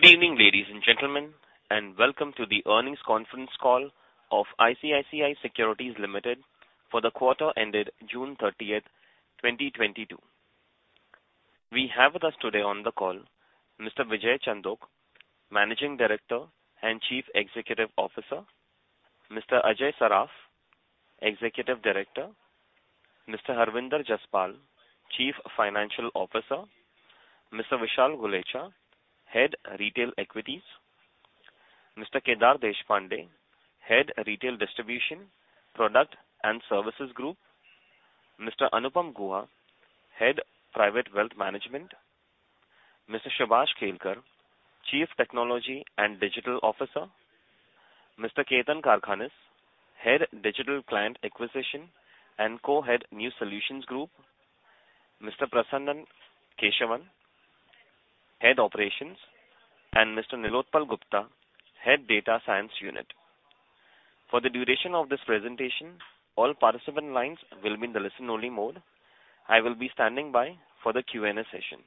Good evening, ladies and gentlemen, and welcome to the earnings conference call of ICICI Securities Limited for the quarter ended June 30, 2022. We have with us today on the call Mr. Vijay Chandok, Managing Director and Chief Executive Officer, Mr. Ajay Saraf, Executive Director, Mr. Harvinder Jaspal, Chief Financial Officer, Mr. Vishal Gulecha, Head Retail Equities, Mr. Kedar Deshpande, Head Retail Distribution, Product and Services Group, Mr. Anupam Guha, Head Private Wealth Management, Mr. Subhash Kelkar, Chief Technology and Digital Officer, Mr. Ketan Karkhanis, Head Digital Client Acquisition and Co-Head New Solutions Group, Mr. Prasannan Kesavan, Head Operations, and Mr. Nilotpal Gupta, Head Data Science Unit. For the duration of this presentation, all participant lines will be in the listen-only mode. I will be standing by for the Q&A session.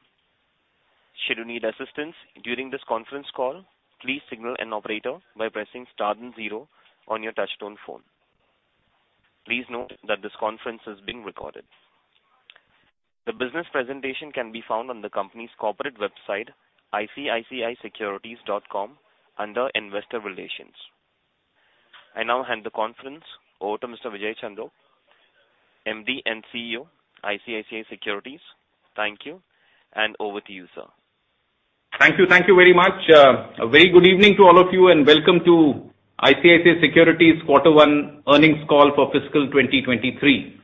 Should you need assistance during this conference call, please signal an operator by pressing star then zero on your touchtone phone. Please note that this conference is being recorded. The business presentation can be found on the company's corporate website, icicisecurities.com, under Investor Relations. I now hand the conference over to Mr. Vijay Chandok, MD and CEO, ICICI Securities. Thank you, and over to you, sir. Thank you. Thank you very much. A very good evening to all of you, and welcome to ICICI Securities quarter one earnings call for fiscal 2023.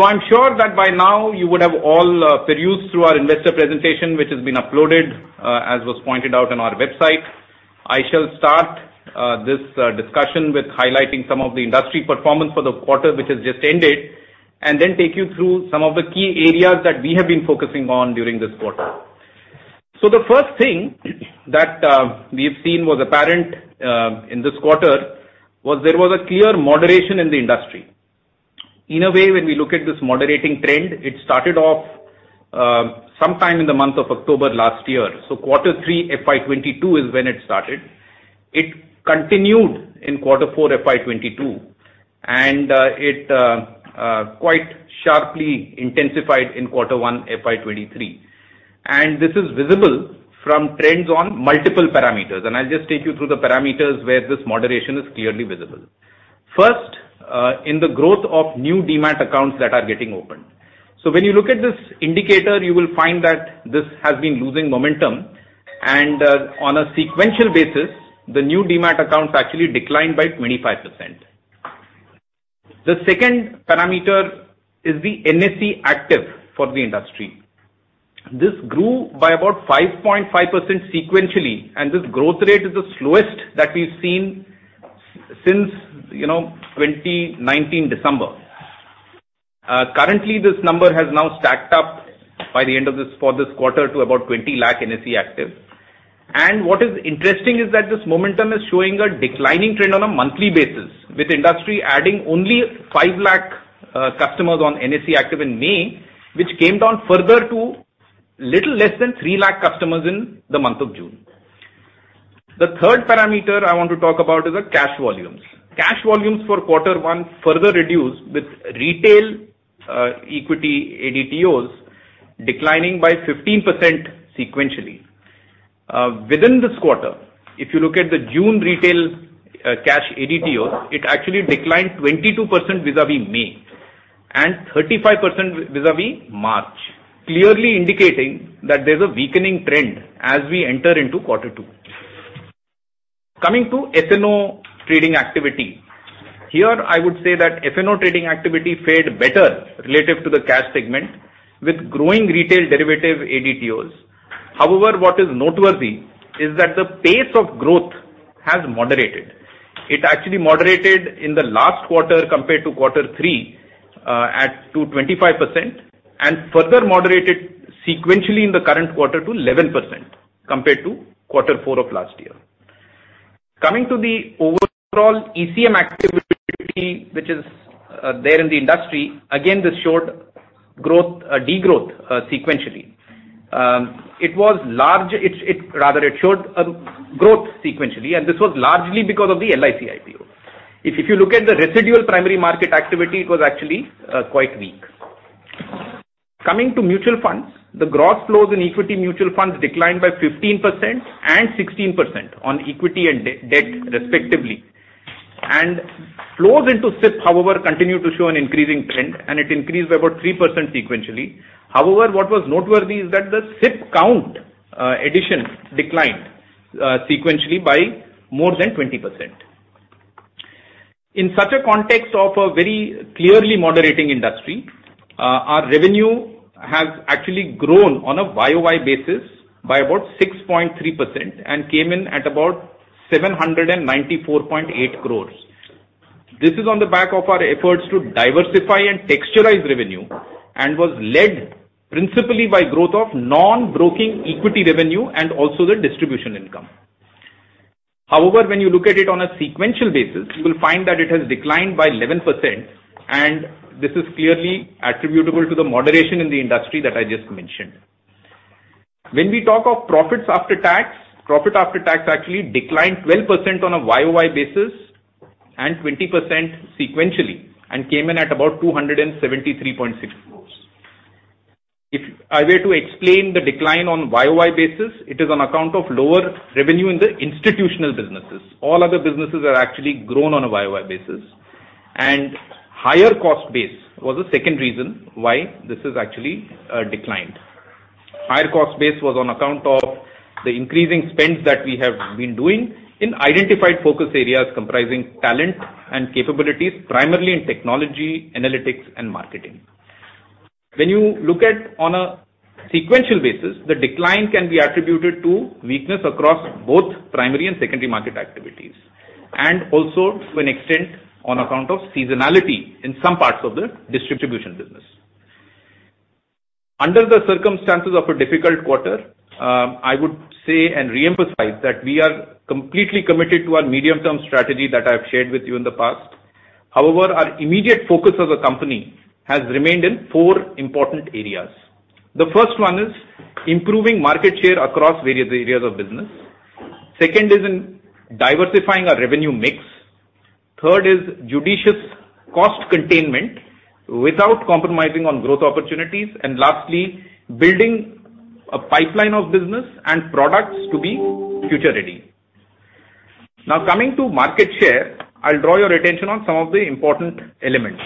I'm sure that by now you would have all perused through our investor presentation, which has been uploaded, as was pointed out on our website. I shall start this discussion with highlighting some of the industry performance for the quarter which has just ended, and then take you through some of the key areas that we have been focusing on during this quarter. The first thing that we have seen was apparent in this quarter was there was a clear moderation in the industry. In a way, when we look at this moderating trend, it started off sometime in the month of October last year, so quarter 3 FY 2022 is when it started. It continued in quarter 4 FY 2022, and it quite sharply intensified in quarter 1 FY 2023. This is visible from trends on multiple parameters, and I'll just take you through the parameters where this moderation is clearly visible. First, in the growth of new Demat accounts that are getting opened. When you look at this indicator, you will find that this has been losing momentum, and on a sequential basis, the new Demat accounts actually declined by 25%. The second parameter is the NSE active clients for the industry. This grew by about 5.5% sequentially, and this growth rate is the slowest that we've seen since, you know, December 2019. Currently, this number has now stacked up by the end of this, for this quarter to about 20 lakh NSE active. What is interesting is that this momentum is showing a declining trend on a monthly basis, with industry adding only 5 lakh customers on NSE active in May, which came down further to little less than 3 lakh customers in the month of June. The third parameter I want to talk about is the cash volumes. Cash volumes for quarter one further reduced, with retail equity ADTOs declining by 15% sequentially. Within this quarter, if you look at the June retail cash ADTOs, it actually declined 22% vis-à-vis May and 35% vis-à-vis March, clearly indicating that there's a weakening trend as we enter into quarter two. Coming to F&O trading activity. Here, I would say that F&O trading activity fared better relative to the cash segment with growing retail derivative ADTOs. However, what is noteworthy is that the pace of growth has moderated. It actually moderated in the last quarter compared to quarter 3 to 25% and further moderated sequentially in the current quarter to 11% compared to quarter four of last year. Coming to the overall ECM activity, which is there in the industry, again, this showed degrowth sequentially. It showed growth sequentially, and this was largely because of the LIC IPO. If you look at the residual primary market activity, it was actually quite weak. Coming to mutual funds, the gross flows in equity mutual funds declined by 15% and 16% on equity and debt, respectively. Flows into SIP, however, continued to show an increasing trend, and it increased by about 3% sequentially. However, what was noteworthy is that the SIP count addition declined sequentially by more than 20%. In such a context of a very clearly moderating industry, our revenue has actually grown on a YOY basis by about 6.3% and came in at about 794.8 crores. This is on the back of our efforts to diversify and texturize revenue and was led principally by growth of non-broking equity revenue and also the distribution income. However, when you look at it on a sequential basis, you will find that it has declined by 11%, and this is clearly attributable to the moderation in the industry that I just mentioned. When we talk of profits after tax, profit after tax actually declined 12% on a YoY basis and 20% sequentially, and came in at about 273.6 crores. If I were to explain the decline on YoY basis, it is on account of lower revenue in the institutional businesses. All other businesses are actually grown on a YoY basis. Higher cost base was the second reason why this is actually declined. Higher cost base was on account of the increasing spends that we have been doing in identified focus areas comprising talent and capabilities, primarily in technology, analytics and marketing. When you look at on a sequential basis, the decline can be attributed to weakness across both primary and secondary market activities, and also to an extent on account of seasonality in some parts of the distribution business. Under the circumstances of a difficult quarter, I would say and reemphasize that we are completely committed to our medium-term strategy that I've shared with you in the past. However, our immediate focus as a company has remained in four important areas. The first one is improving market share across various areas of business. Second is in diversifying our revenue mix. Third is judicious cost containment without compromising on growth opportunities. Lastly, building a pipeline of business and products to be future-ready. Now, coming to market share, I'll draw your attention on some of the important elements.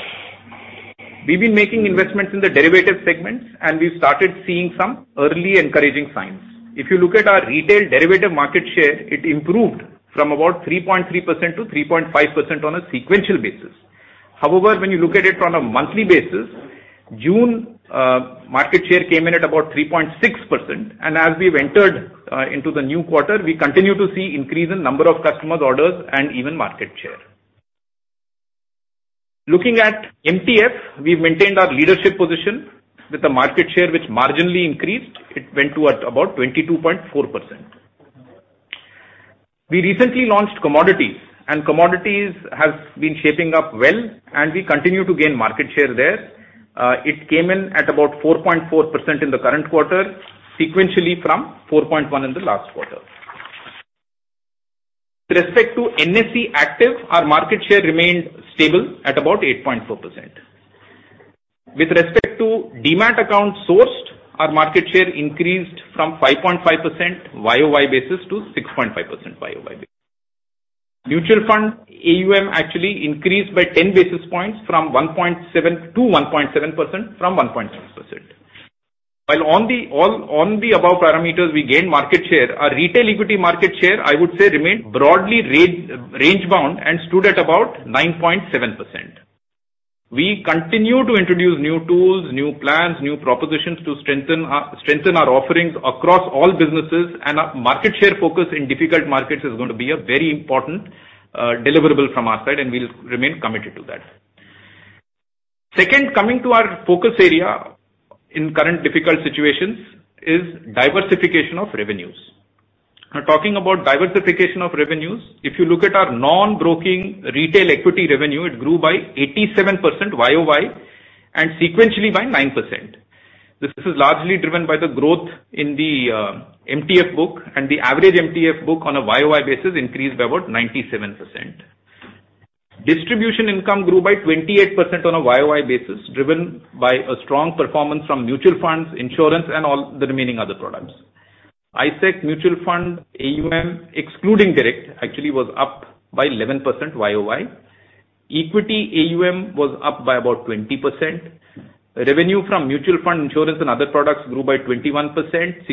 We've been making investments in the derivatives segments, and we started seeing some early encouraging signs. If you look at our retail derivative market share, it improved from about 3.3% to 3.5% on a sequential basis. However, when you look at it on a monthly basis, June market share came in at about 3.6%. As we've entered into the new quarter, we continue to see increase in number of customers orders and even market share. Looking at MTF, we've maintained our leadership position with the market share, which marginally increased. It went to about 22.4%. We recently launched commodities, and commodities has been shaping up well, and we continue to gain market share there. It came in at about 4.4% in the current quarter, sequentially from 4.1% in the last quarter. With respect to NSE Active, our market share remained stable at about 8.4%. With respect to Demat account sourced, our market share increased from 5.5% YOY basis to 6.5% YOY basis. Mutual fund AUM actually increased by 10 basis points from 1.6% to 1.7%. While on the above parameters we gained market share, our retail equity market share, I would say, remained broadly range bound and stood at about 9.7%. We continue to introduce new tools, new plans, new propositions to strengthen our offerings across all businesses, and our market share focus in difficult markets is going to be a very important deliverable from our side, and we'll remain committed to that. Second, coming to our focus area in current difficult situations is diversification of revenues. Now talking about diversification of revenues, if you look at our non-broking retail equity revenue, it grew by 87% YOY and sequentially by 9%. This is largely driven by the growth in the MTF book and the average MTF book on a YOY basis increased by about 97%. Distribution income grew by 28% on a YOY basis, driven by a strong performance from mutual funds, insurance and all the remaining other products. ICICI Prudential Mutual Fund AUM, excluding direct, actually was up by 11% YOY. Equity AUM was up by about 20%. Revenue from mutual fund insurance and other products grew by 21%, 61%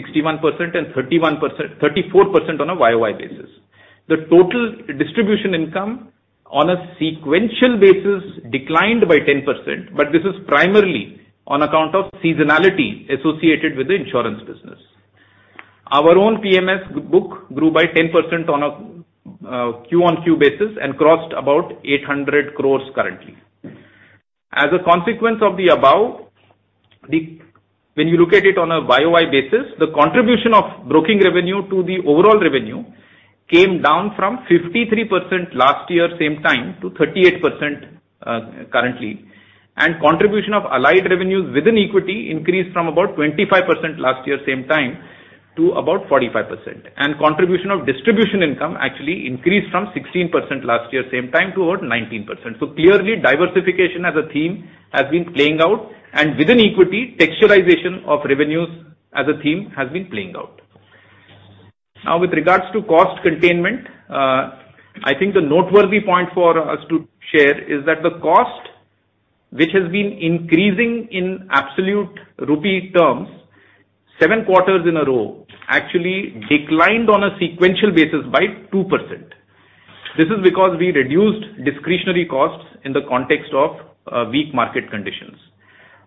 and 34% on a YOY basis. The total distribution income on a sequential basis declined by 10%, but this is primarily on account of seasonality associated with the insurance business. Our own PMS g-book grew by 10% on a QoQ basis and crossed about 800 crore currently. As a consequence of the above, when you look at it on a YOY basis, the contribution of broking revenue to the overall revenue came down from 53% last year same time to 38% currently. Contribution of allied revenues within equity increased from about 25% last year same time to about 45%. Contribution of distribution income actually increased from 16% last year same time to about 19%. Clearly diversification as a theme has been playing out, and within equity, texturization of revenues as a theme has been playing out. Now with regards to cost containment, I think the noteworthy point for us to share is that the cost which has been increasing in absolute rupee terms 7 quarters in a row actually declined on a sequential basis by 2%. This is because we reduced discretionary costs in the context of weak market conditions.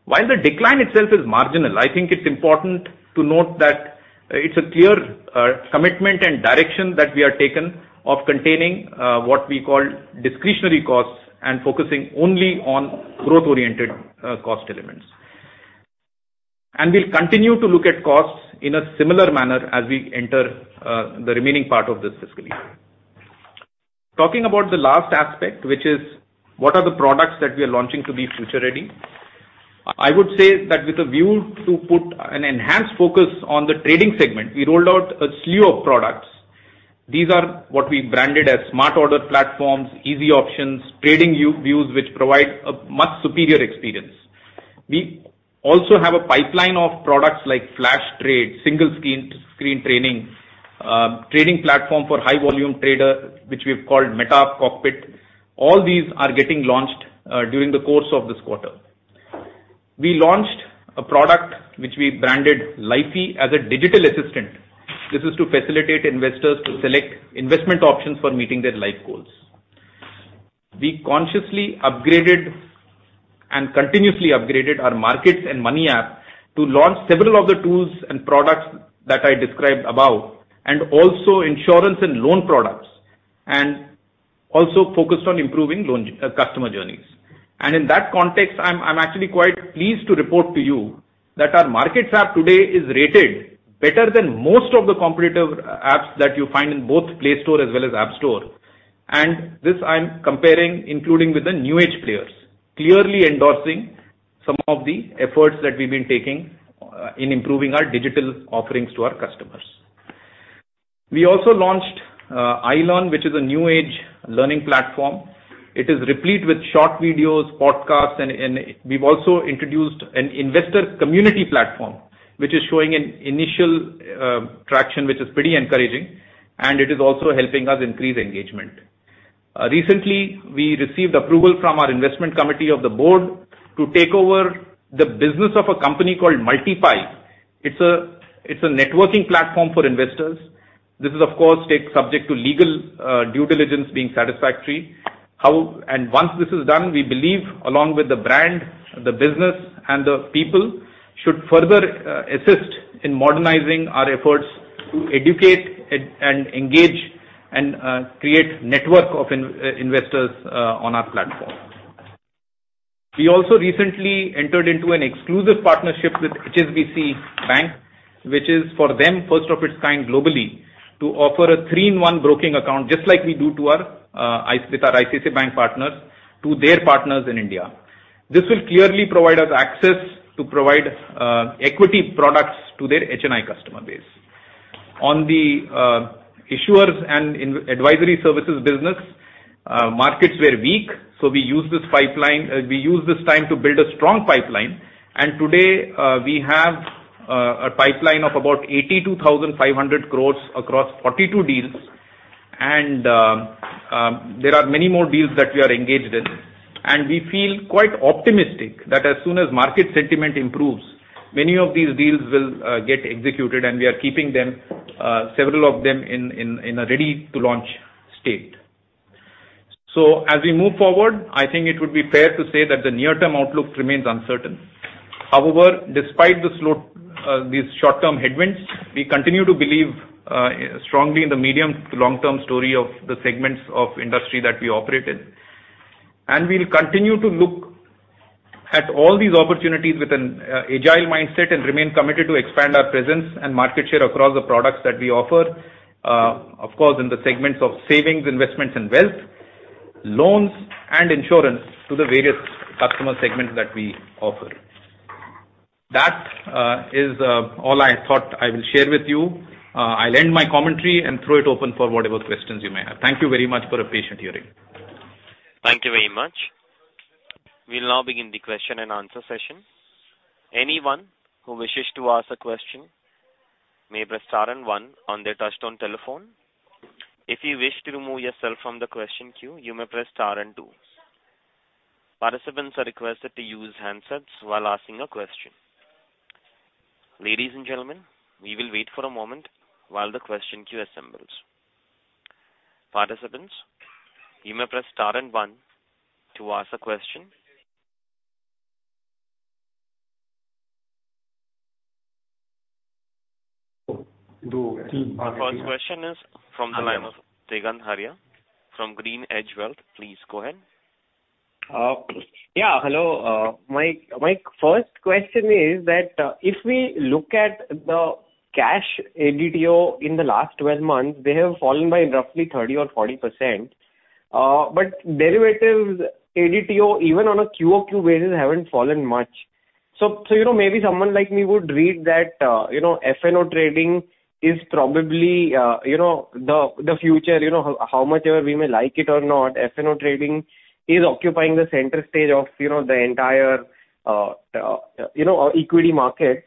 While the decline itself is marginal, I think it's important to note that it's a clear commitment and direction that we have taken of containing what we call discretionary costs and focusing only on growth-oriented cost elements. We'll continue to look at costs in a similar manner as we enter the remaining part of this fiscal year. Talking about the last aspect, which is what are the products that we are launching to be future-ready. I would say that with a view to put an enhanced focus on the trading segment, we rolled out a slew of products. These are what we branded as smart order platforms, Easy Options, TradingView which provide a much superior experience. We also have a pipeline of products like Flash Trade, single screen trading trading platform for high volume trader, which we've called Meta Cockpit. All these are getting launched during the course of this quarter. We launched a product which we branded LIFEY as a digital assistant. This is to facilitate investors to select investment options for meeting their life goals. We consciously upgraded and continuously upgraded our Markets and Money app to launch several of the tools and products that I described above, and also insurance and loan products, and also focused on improving loan customer journeys. In that context, I'm actually quite pleased to report to you that our markets app today is rated better than most of the competitive apps that you find in both Play Store as well as App Store. This I'm comparing including with the new-age players, clearly endorsing some of the efforts that we've been taking in improving our digital offerings to our customers. We also launched iLearn, which is a new age learning platform. It is replete with short videos, podcasts, and we've also introduced an investor community platform, which is showing an initial traction, which is pretty encouraging, and it is also helping us increase engagement. Recently we received approval from our investment committee of the board to take over the business of a company called Multipie. It's a networking platform for investors. This is of course subject to legal due diligence being satisfactory. Once this is done, we believe along with the brand, the business and the people should further assist in modernizing our efforts to educate and engage and create a network of investors on our platform. We also recently entered into an exclusive partnership with HSBC Bank, which is for them, first of its kind globally, to offer a three-in-one broking account, just like we do with our ICICI Bank partners, to their partners in India. This will clearly provide us access to provide equity products to their HNI customer base. On the issuers and in advisory services business, markets were weak, so we used this time to build a strong pipeline. Today, we have a pipeline of about 82,500 crores across 42 deals. there are many more deals that we are engaged in, and we feel quite optimistic that as soon as market sentiment improves, many of these deals will get executed, and we are keeping them several of them in a ready-to-launch state. as we move forward, I think it would be fair to say that the near-term outlook remains uncertain. However, despite these short-term headwinds, we continue to believe strongly in the medium- to long-term story of the segments of industry that we operate in. we'll continue to look at all these opportunities with an agile mindset and remain committed to expand our presence and market share across the products that we offer, of course, in the segments of savings, investments and wealth, loans and insurance to the various customer segments that we offer. That is all I thought I will share with you. I'll end my commentary and throw it open for whatever questions you may have. Thank you very much for a patient hearing. Thank you very much. We'll now begin the question-and-answer session. Anyone who wishes to ask a question may press star and one on their touch-tone telephone. If you wish to remove yourself from the question queue, you may press star and two. Participants are requested to use handsets while asking a question. Ladies and gentlemen, we will wait for a moment while the question queue assembles. Participants, you may press star and one to ask a question. 2, 3. The first question is from the line of Digant Haria from GreenEdge Wealth. Please go ahead. Hello. My first question is that if we look at the cash ADTO in the last 12 months, they have fallen by roughly 30% or 40%. But derivatives ADTO even on a QoQ basis haven't fallen much. You know, maybe someone like me would read that F&O trading is probably the future. You know, however much we may like it or not, F&O trading is occupying the center stage of the entire equity market.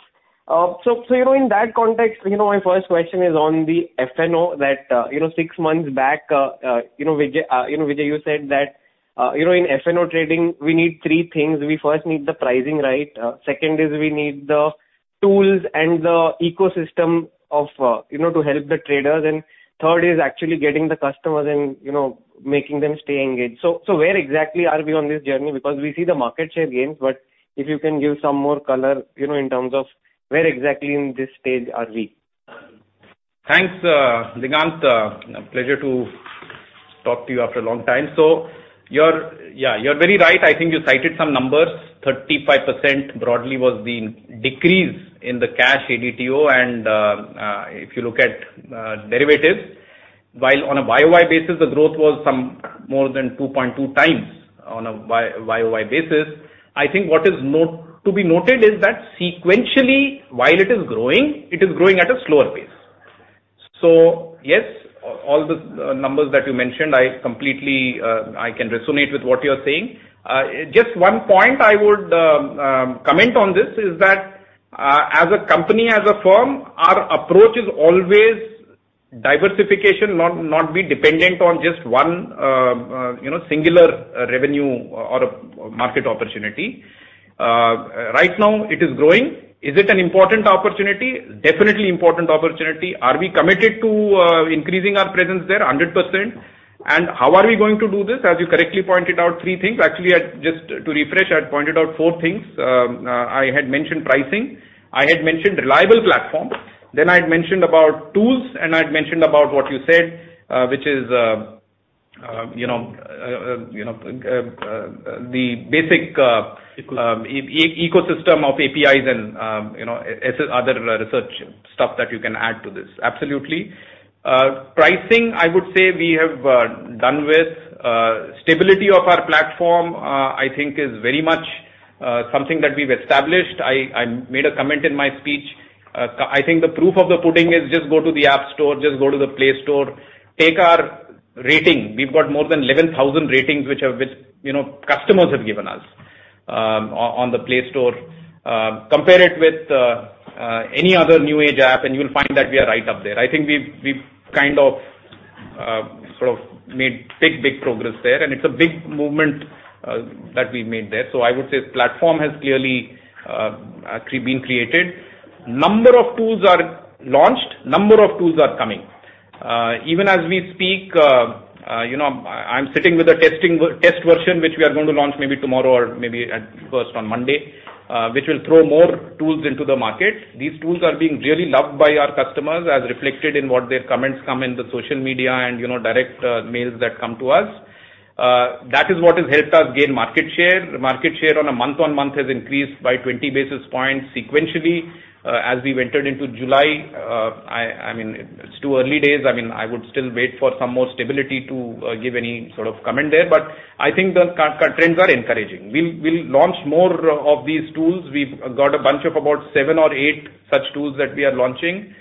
In that context, my first question is on the F&O, that 6 months back, Vijay, you said that in F&O trading, we need three things. We first need the pricing right. Second is we need the tools and the ecosystem of, you know, to help the traders. Third is actually getting the customers and, you know, making them stay engaged. Where exactly are we on this journey? Because we see the market share gains, but if you can give some more color, you know, in terms of where exactly in this stage are we? Thanks, Digant. A pleasure to talk to you after a long time. You're very right. I think you cited some numbers. 35% broadly was the decrease in the cash ADTO and if you look at derivatives, while on a YoY basis, the growth was some more than 2.2 times on a YoY basis. I think what is to be noted is that sequentially, while it is growing, it is growing at a slower pace. Yes, all the numbers that you mentioned, I completely resonate with what you're saying. Just one point I would comment on this is that as a company, as a firm, our approach is always diversification, not be dependent on just one you know singular revenue or market opportunity. Right now it is growing. Is it an important opportunity? Definitely important opportunity. Are we committed to increasing our presence there? 100%. How are we going to do this? As you correctly pointed out, three things. Actually, just to refresh, I had pointed out four things. I had mentioned pricing, I had mentioned reliable platform, then I'd mentioned about tools, and I'd mentioned about what you said, which is the basic. Ecosystem. ecosystem of APIs and, you know, other research stuff that you can add to this. Absolutely. Pricing, I would say we have done with. Stability of our platform, I think is very much something that we've established. I made a comment in my speech. I think the proof of the pudding is just go to the App Store, just go to the Play Store, take our rating. We've got more than 11,000 ratings, which, you know, customers have given us on the Play Store. Compare it with any other New Age app, and you'll find that we are right up there. I think we've kind of sort of made big progress there, and it's a big movement that we've made there. I would say platform has clearly actually been created. Number of tools are launched, number of tools are coming. Even as we speak, you know, I'm sitting with a test version, which we are going to launch maybe tomorrow or maybe at first on Monday, which will throw more tools into the market. These tools are being really loved by our customers as reflected in what their comments come in the social media and, you know, direct mails that come to us. That is what has helped us gain market share. Market share on a month-on-month has increased by 20 basis points sequentially. As we entered into July, I mean, it's too early days. I mean, I would still wait for some more stability to give any sort of comment there, but I think the trends are encouraging. We'll launch more of these tools. We've got a bunch of about seven or eight such tools that we are launching.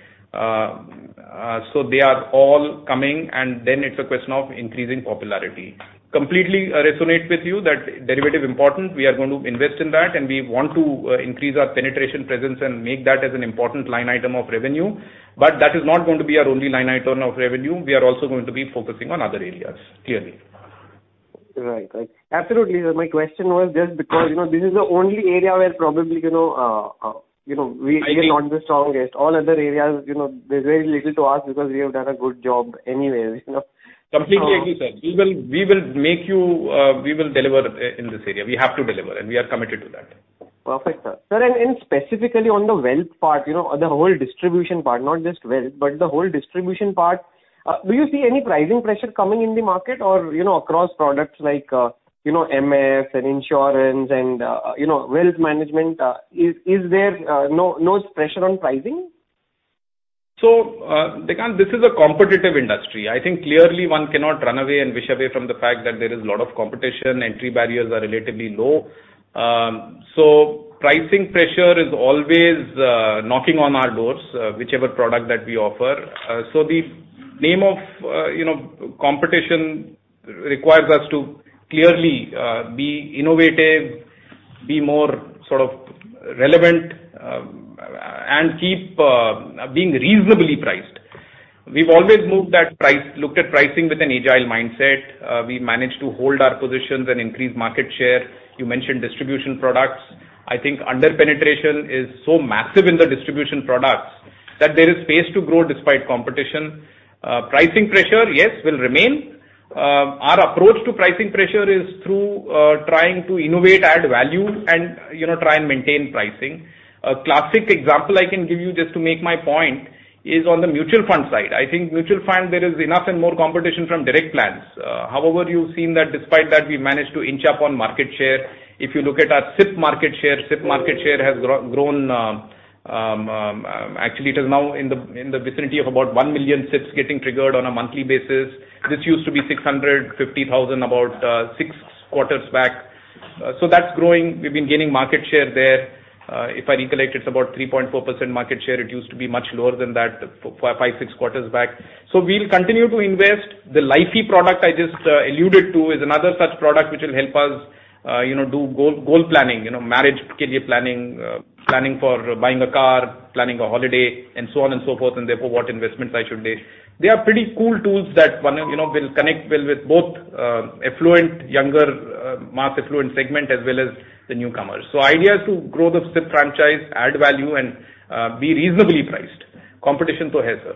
So they are all coming, and then it's a question of increasing popularity. Completely resonate with you that derivative important. We are going to invest in that, and we want to increase our penetration presence and make that as an important line item of revenue. That is not going to be our only line item of revenue. We are also going to be focusing on other areas, clearly. Right. Absolutely, sir. My question was just because, you know, this is the only area where probably, you know, we. I think. are not the strongest. All other areas, you know, there's very little to ask because we have done a good job anyways, you know? Completely agree, sir. We will deliver in this area. We have to deliver, and we are committed to that. Perfect, sir. Sir, specifically on the wealth part, you know, the whole distribution part, not just wealth, but the whole distribution part, do you see any pricing pressure coming in the market or, you know, across products like, you know, MF and insurance and, you know, wealth management? Is there no pressure on pricing? Digant, this is a competitive industry. I think clearly one cannot run away and wish away from the fact that there is a lot of competition. Entry barriers are relatively low. Pricing pressure is always knocking on our doors, whichever product that we offer. The name of, you know, competition requires us to clearly be innovative, be more sort of relevant, and keep being reasonably priced. We've always looked at pricing with an agile mindset. We managed to hold our positions and increase market share. You mentioned distribution products. I think under-penetration is so massive in the distribution products that there is space to grow despite competition. Pricing pressure, yes, will remain. Our approach to pricing pressure is through trying to innovate, add value and, you know, try and maintain pricing. A classic example I can give you, just to make my point, is on the mutual fund side. I think mutual fund there is enough and more competition from direct plans. However, you've seen that despite that, we managed to inch up on market share. If you look at our SIP market share, it has grown, actually it is now in the vicinity of about 1 million SIPs getting triggered on a monthly basis. This used to be 650,000 about six quarters back. That's growing. We've been gaining market share there. If I recollect, it's about 3.4% market share. It used to be much lower than that five, six quarters back. We'll continue to invest. The LIFEY product I just alluded to is another such product which will help us, you know, do goal planning, you know, marriage planning for buying a car, planning a holiday, and so on and so forth, and therefore, what investments I should take. They are pretty cool tools that, you know, will connect well with both, affluent, younger, mass affluent segment as well as the newcomers. Idea is to grow the SIP franchise, add value, and be reasonably priced. Competition sir.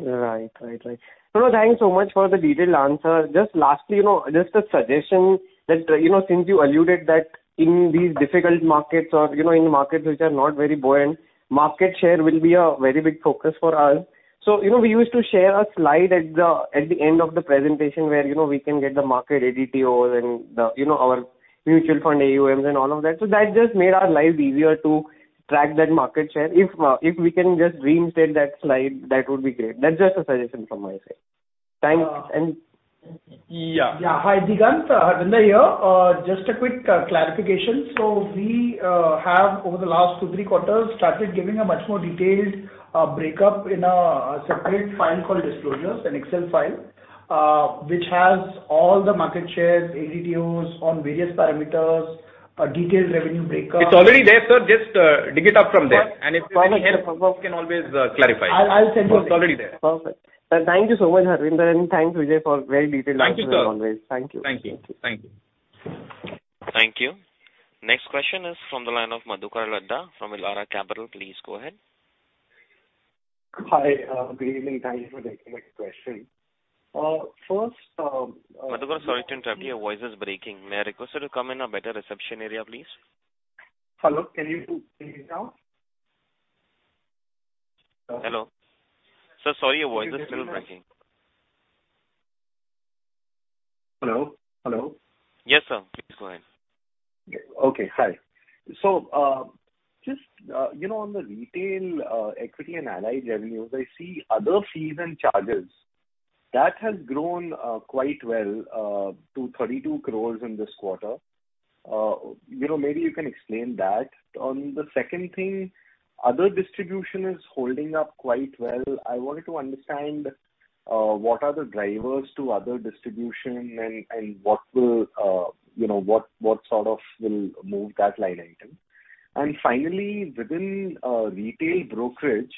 Right. Thanks so much for the detailed answer. Just lastly, you know, just a suggestion that, you know, since you alluded that in these difficult markets or, you know, in markets which are not very buoyant, market share will be a very big focus for us. You know, we used to share a slide at the end of the presentation where, you know, we can get the market ADTOs and the, you know, our mutual fund AUMs and all of that. That just made our lives easier to track that market share. If we can just reinstate that slide, that would be great. That's just a suggestion from my side. Thanks. Yeah. Yeah. Hi, Digant. Harvinder here. Just a quick clarification. We have over the last 2, 3 quarters started giving a much more detailed breakup in a separate file called disclosures, an Excel file, which has all the market shares, ADTOs on various parameters, detailed revenue breakups. It's already there, sir. Just, dig it up from there. If you need any help, we can always clarify. I'll send you. It's already there. Perfect. Thank you so much, Harvinder. Thanks, Vijay, for very detailed answers as always. Thank you, sir. Thank you. Thank you. Thank you. Thank you. Next question is from the line of Madhukar Ladha from Elara Capital. Please go ahead. Hi. Good evening. Thanks for taking my question. First, Madhukar, sorry to interrupt you. Your voice is breaking. May I request you to come in a better reception area, please? Hello, can you hear me now? Hello. Sir, sorry, your voice is still breaking. Hello? Hello? Yes, sir. Please go ahead. Okay. Hi. Just, you know, on the retail equity and allied revenues, I see other fees and charges. That has grown quite well to 32 crore in this quarter. You know, maybe you can explain that. The second thing, other distribution is holding up quite well. I wanted to understand what are the drivers to other distribution and what will, you know, what sort of will move that line item. Finally, within retail brokerage,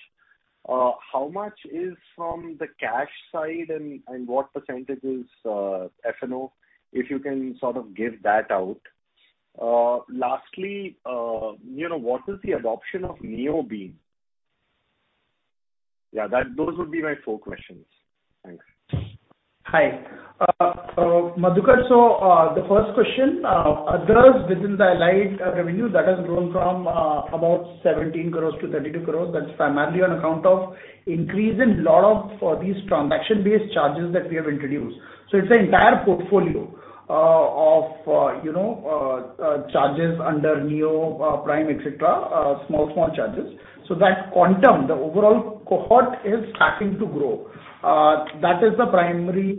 how much is from the cash side and what percentage is F&O, if you can sort of give that out. Lastly, you know, what is the adoption of Neo been? Yeah, that those would be my four questions. Thanks. Hi. Madhukar. The first question, others within the allied revenue that has grown from about 17 crores to 32 crores. That's primarily on account of increase in lot of these transaction-based charges that we have introduced. It's a entire portfolio of you know charges under Neo, Prime, et cetera, small charges. That quantum, the overall cohort is starting to grow. That is the primary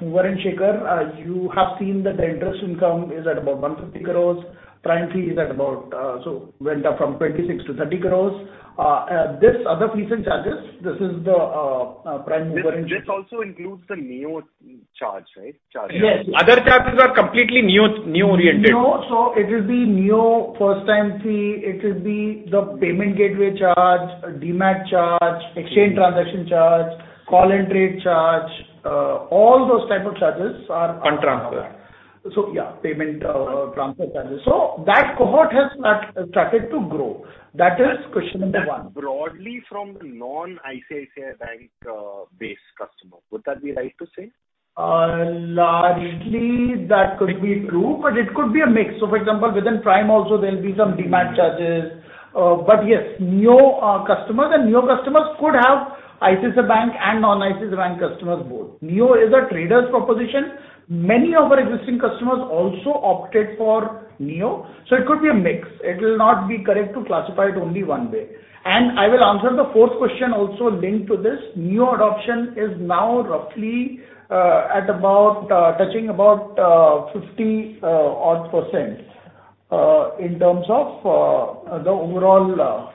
mover and shaker. You have seen that the interest income is at about 150 crores. Prime fee is at about, so went up from 26 crores to 30 crores. This other fees and charges, this is the prime mover and This also includes the Neo charge, right? Yes. Other charges are completely Neo-oriented. Neo, it will be Neo first time fee, it will be the payment gateway charge, Demat charge, exchange transaction charge, call and trade charge. All those type of charges are On transfer. Yeah, payment transfer charges. That cohort has started to grow. That is question number one. Broadly from the non-ICICI Bank base customer. Would that be right to say? Largely that could be true, but it could be a mix. For example, within Prime also there'll be some Demat charges. But yes, Neo customers could have ICICI Bank and non-ICICI Bank customers both. Neo is a trader's proposition. Many of our existing customers also opted for Neo, so it could be a mix. It will not be correct to classify it only one way. I will answer the fourth question also linked to this. Neo adoption is now roughly touching about 50 odd% in terms of the overall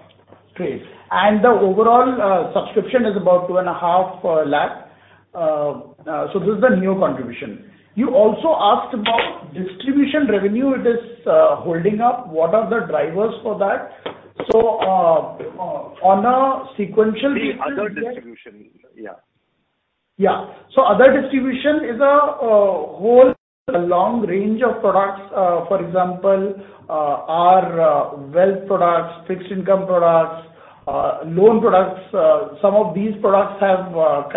trade. The overall subscription is about 2.5 per lakh. So this is the Neo contribution. You also asked about distribution revenue, it is holding up. What are the drivers for that? On a sequential basis. The other distribution. Yeah. Other distribution is a whole long range of products. For example, our wealth products, fixed income products, loan products. Some of these products are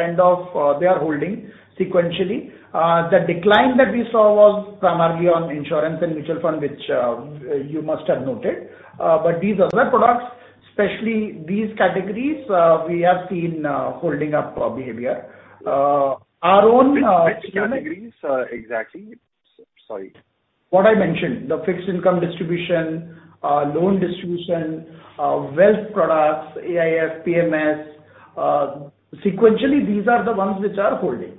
holding sequentially. The decline that we saw was primarily on insurance and mutual fund, which you must have noted. These other products, especially these categories, we have seen holding up behavior. Which categories exactly? Sorry. What I mentioned, the fixed income distribution, loan distribution, wealth products, AIF, PMS, sequentially, these are the ones which are holding.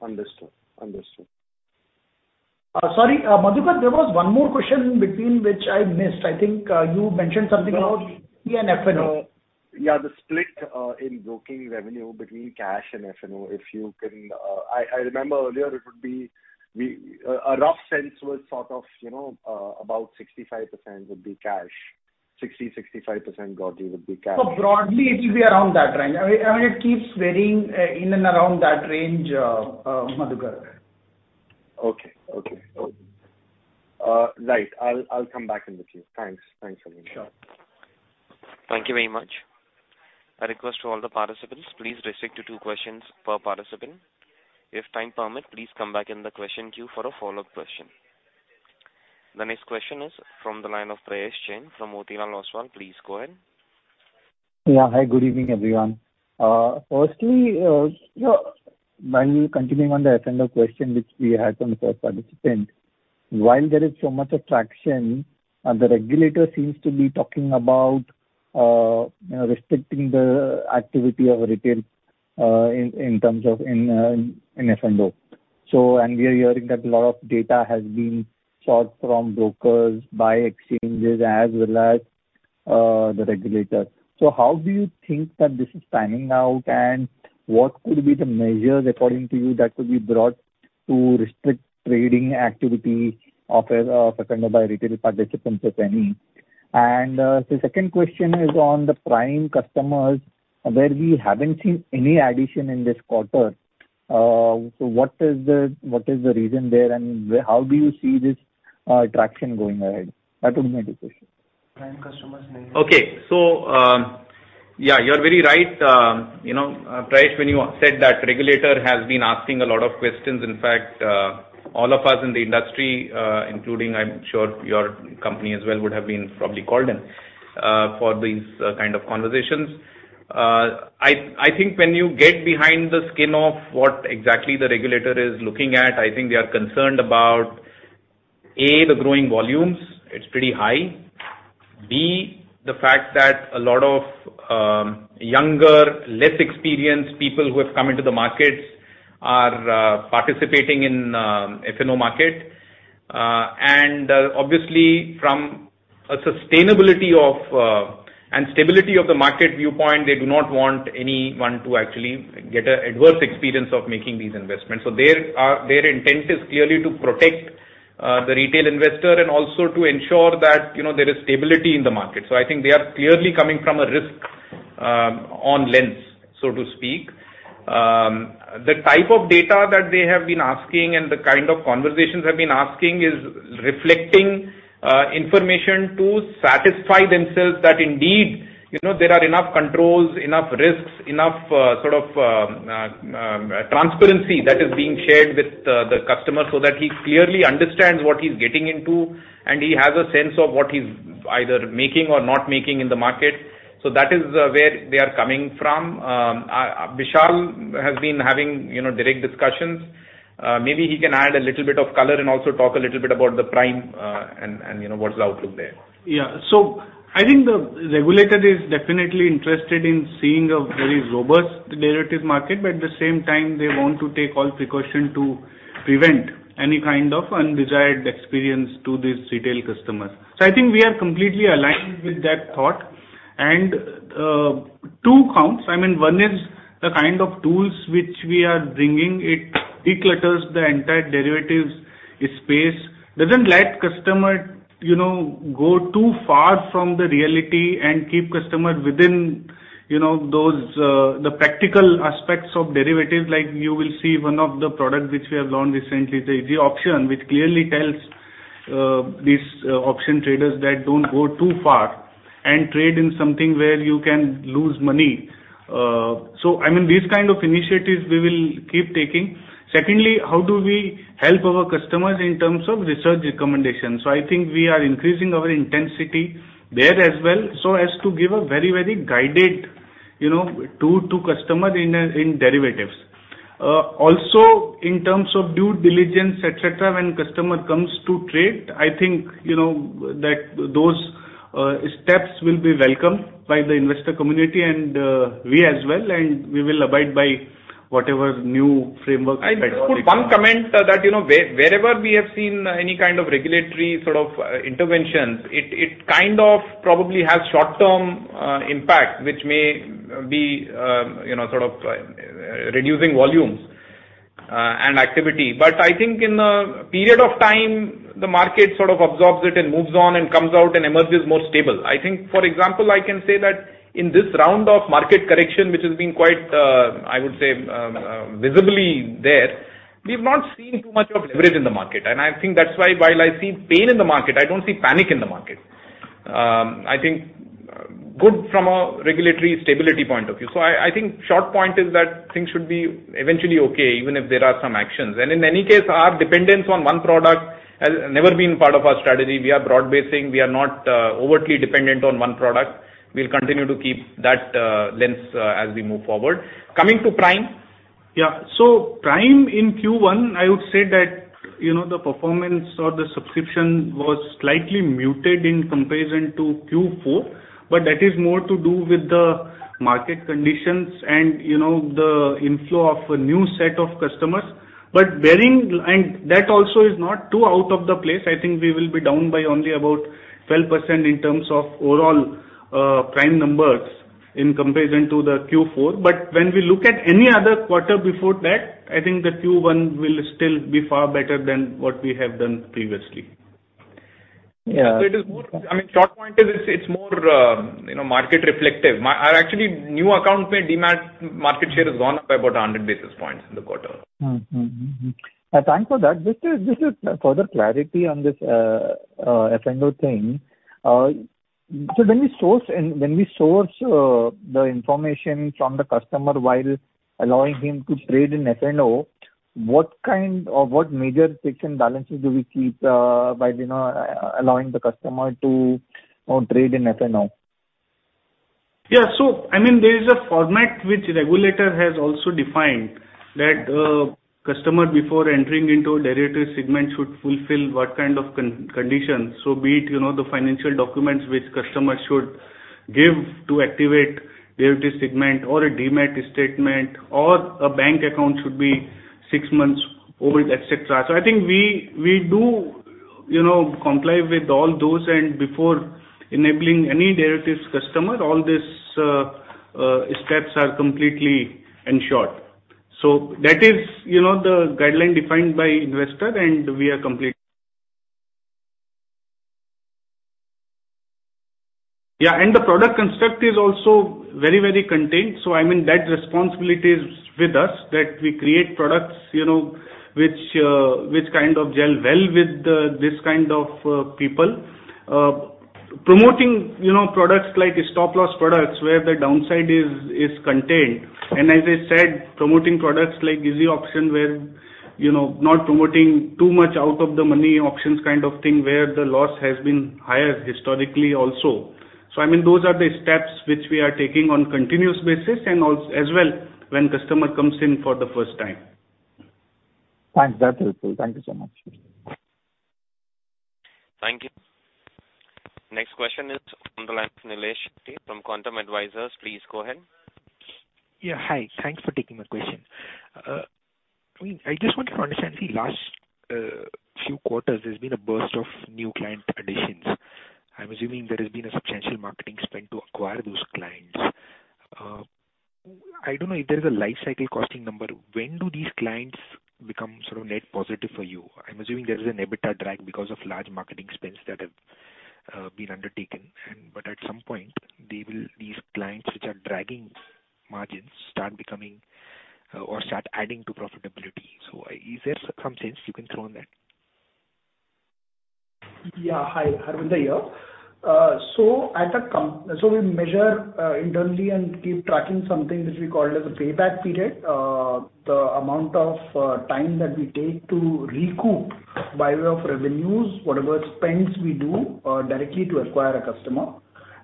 Understood. Madhukar, there was one more question which I missed. I think you mentioned something about equity and F&O. Yeah, the split in broking revenue between cash and F&O. If you can, I remember earlier it would be a rough sense was sort of, you know, about 65% would be cash. Broadly, it will be around that range. I mean, and it keeps varying, in and around that range, Madhukar. Okay. Okay. Right. I'll come back in with you. Thanks, Amit. Sure. Thank you very much. A request to all the participants, please restrict to two questions per participant. If time permit, please come back in the question queue for a follow-up question. The next question is from the line of Prayesh Jain from Motilal Oswal. Please go ahead. Yeah. Hi, good evening, everyone. Firstly, you know, while continuing on the F&O question which we had from the first participant, while there is so much attraction, and the regulator seems to be talking about, you know, restricting the activity of retail in terms of F&O, and we are hearing that a lot of data has been sought from brokers by exchanges as well as the regulators. How do you think that this is panning out, and what could be the measures according to you that could be brought to restrict trading activity of F&O by retail participants, if any? The second question is on the Prime customers, where we haven't seen any addition in this quarter. What is the reason there, and how do you see this traction going ahead? That would be my two questions. Prime customers means? Okay. Yeah, you're very right. You know, Prayesh, when you said that regulator has been asking a lot of questions, in fact, all of us in the industry, including I'm sure your company as well, would have been probably called in, for these kind of conversations. I think when you get behind the scenes of what exactly the regulator is looking at, I think they are concerned about, A, the growing volumes. It's pretty high. B, the fact that a lot of, younger, less experienced people who have come into the markets are, participating in, F&O market. Obviously from a sustainability and stability of the market viewpoint, they do not want anyone to actually get an adverse experience of making these investments. Their intent is clearly to protect the retail investor and also to ensure that, you know, there is stability in the market. I think they are clearly coming from a risk on lens, so to speak. The type of data that they have been asking and the kind of conversations they've been asking is reflecting information to satisfy themselves that indeed, you know, there are enough controls, enough risks, enough sort of transparency that is being shared with the customer so that he clearly understands what he's getting into, and he has a sense of what he's either making or not making in the market. That is where they are coming from. Vishal has been having, you know, direct discussions. Maybe he can add a little bit of color and also talk a little bit about the Prime, and you know, what is the outlook there. Yeah. I think the regulator is definitely interested in seeing a very robust derivatives market, but at the same time they want to take all precaution to prevent any kind of undesired experience to these retail customers. I think we are completely aligned with that thought. Two counts, I mean, one is the kind of tools which we are bringing. It declutters the entire derivatives space. Doesn't let customer, you know, go too far from the reality and keep customer within, you know, those, the practical aspects of derivatives. Like, you will see one of the products which we have launched recently is the option, which clearly tells, these, option traders that don't go too far and trade in something where you can lose money. I mean, these kind of initiatives we will keep taking. Secondly, how do we help our customers in terms of research recommendations? I think we are increasing our intensity there as well, so as to give a very, very guided, you know, tool to customer in derivatives. Also in terms of due diligence, et cetera, when customer comes to trade, I think you know that those steps will be welcomed by the investor community and we as well, and we will abide by whatever new framework et cetera. I would put one comment that, you know, wherever we have seen any kind of regulatory sort of, interventions, it kind of probably has short-term, impact, which may be, you know, sort of, reducing volumes, and activity. I think in a period of time, the market sort of absorbs it and moves on and comes out and emerges more stable. I think, for example, I can say that in this round of market correction, which has been quite, I would say, visibly there, we've not seen too much of leverage in the market. I think that's why while I see pain in the market, I don't see panic in the market. I think good from a regulatory stability point of view. I think short point is that things should be eventually okay, even if there are some actions. In any case, our dependence on one product has never been part of our strategy. We are broad-basing. We are not overtly dependent on one product. We'll continue to keep that lens as we move forward. Coming to Prime. Yeah. Prime in Q1, I would say that, you know, the performance or the subscription was slightly muted in comparison to Q4, but that is more to do with the market conditions and, you know, the inflow of a new set of customers. That also is not too out of the place. I think we will be down by only about 12% in terms of overall Prime numbers in comparison to Q4. When we look at any other quarter before that, I think the Q1 will still be far better than what we have done previously. Yeah. It is more, I mean, short point is it's more, you know, market reflective. Our actually new account-made Demat market share has gone up by about 100 basis points in the quarter. Thanks for that. Just a further clarity on this F&O thing. So when we source the information from the customer while allowing him to trade in F&O, what kind or what major checks and balances do we keep by, you know, allowing the customer to, you know, trade in F&O? Yeah. I mean, there is a format which regulator has also defined that customer before entering into a derivative segment should fulfill what kind of condition. Be it, you know, the financial documents which customer should give to activate derivative segment or a Demat statement or a bank account should be six months old, et cetera. I think we do, you know, comply with all those and before enabling any derivatives customer, all these steps are completely ensured. That is, you know, the guideline defined by investor and we are complete. Yeah. The product construct is also very, very contained. I mean, that responsibility is with us that we create products, you know, which kind of gel well with this kind of people. Promoting, you know, products like stop-loss products, where the downside is contained. As I said, promoting products like easy options where, you know, not promoting too much out of the money options kind of thing, where the loss has been higher historically also. I mean, those are the steps which we are taking on continuous basis as well when customer comes in for the first time. Thanks. That's helpful. Thank you so much. Thank you. Next question is on the line from Nilesh from Quantum Advisors. Please go ahead. Yeah. Hi. Thanks for taking my question. I mean, I just want to understand the last few quarters there's been a burst of new client additions. I'm assuming there has been a substantial marketing spend to acquire those clients. I don't know if there is a life cycle costing number. When do these clients become sort of net positive for you? I'm assuming there is an EBITDA drag because of large marketing spends that have been undertaken. But at some point they will. These clients which are dragging margins start becoming or start adding to profitability. Is there some sense you can throw on that? Yeah. Hi, Harvinder here. We measure internally and keep tracking something which we call it as a payback period. The amount of time that we take to recoup by way of revenues, whatever spends we do directly to acquire a customer.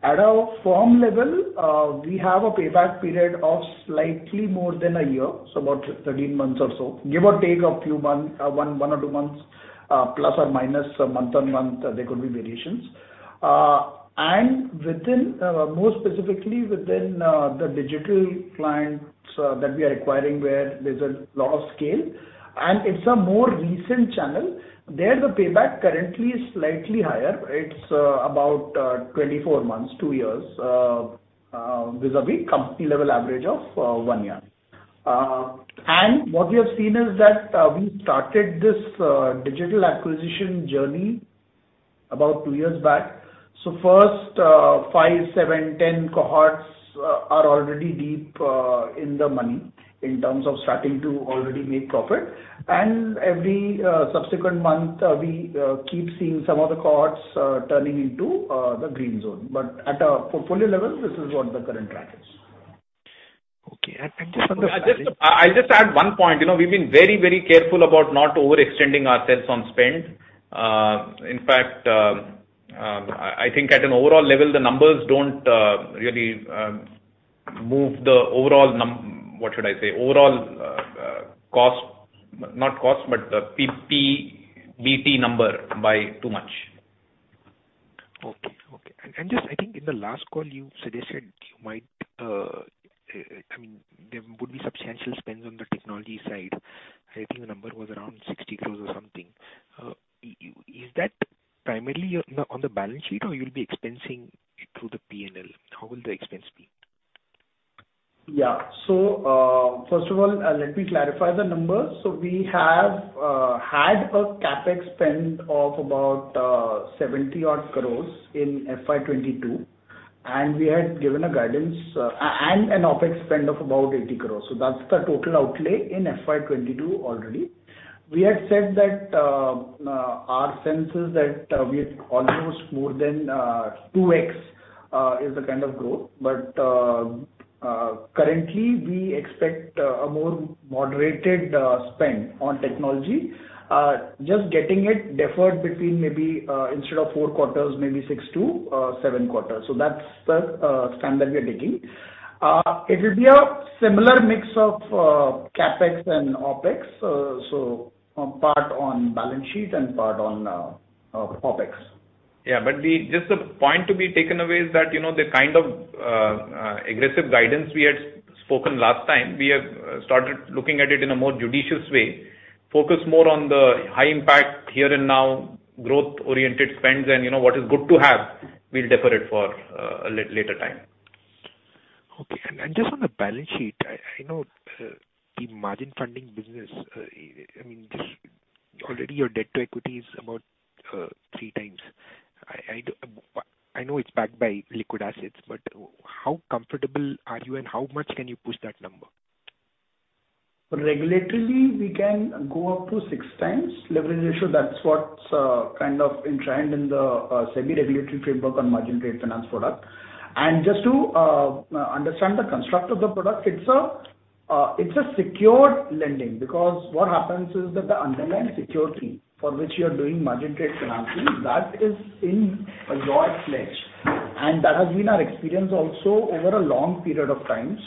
At a firm level, we have a payback period of slightly more than a year, so about 13 months or so. Give or take a few months, one or two months plus or minus month-on-month, there could be variations. More specifically within the digital clients that we are acquiring where there's a lot of scale and it's a more recent channel. There the payback currently is slightly higher. It's about 24 months, 2 years vis-a-vis company level average of 1 year. What we have seen is that we started this digital acquisition journey about 2 years back. First 5, 7, 10 cohorts are already deep in the money in terms of starting to already make profit. Every subsequent month we keep seeing some of the cohorts turning into the green zone. At a portfolio level, this is what the current track is. Okay. I just understand. I'll just add one point. You know, we've been very, very careful about not overextending ourselves on spend. In fact, I think at an overall level the numbers don't really move the overall what should I say? Overall, not cost, but the PP, BP number by too much. Just I think in the last call you suggested, I mean, there would be substantial spends on the technology side. I think the number was around 60 crore or something. Is that primarily on the balance sheet or you'll be expensing it through the P&L? How will the expense be? Yeah. First of all, let me clarify the numbers. We have had a CapEx spend of about 70-odd crores in FY 2022, and we had given a guidance and an OpEx spend of about 80 crores. That's the total outlay in FY 2022 already. We had said that our sense is that we are almost more than 2x is the kind of growth. Currently we expect a more moderated spend on technology. Just getting it deferred between maybe instead of 4 quarters, maybe 6-7 quarters. That's the stand that we are taking. It will be a similar mix of CapEx and OpEx. Part on balance sheet and part on OpEx. Just the point to be taken away is that, you know, the kind of aggressive guidance we had spoken last time, we have started looking at it in a more judicious way, focus more on the high impact here and now growth oriented spends and, you know, what is good to have. We'll defer it for a later time. Just on the balance sheet, I know the margin funding business. I mean, this already, your debt to equity is about 3 times. I know it's backed by liquid assets, but how comfortable are you and how much can you push that number? Regulatorily, we can go up to 6 times leverage ratio. That's what's kind of in trend in the semi-regulatory framework on margin trade finance product. Just to understand the construct of the product, it's a secured lending because what happens is that the underlying security for which you're doing margin trade financing, that is in your pledge. That has been our experience also over a long period of time.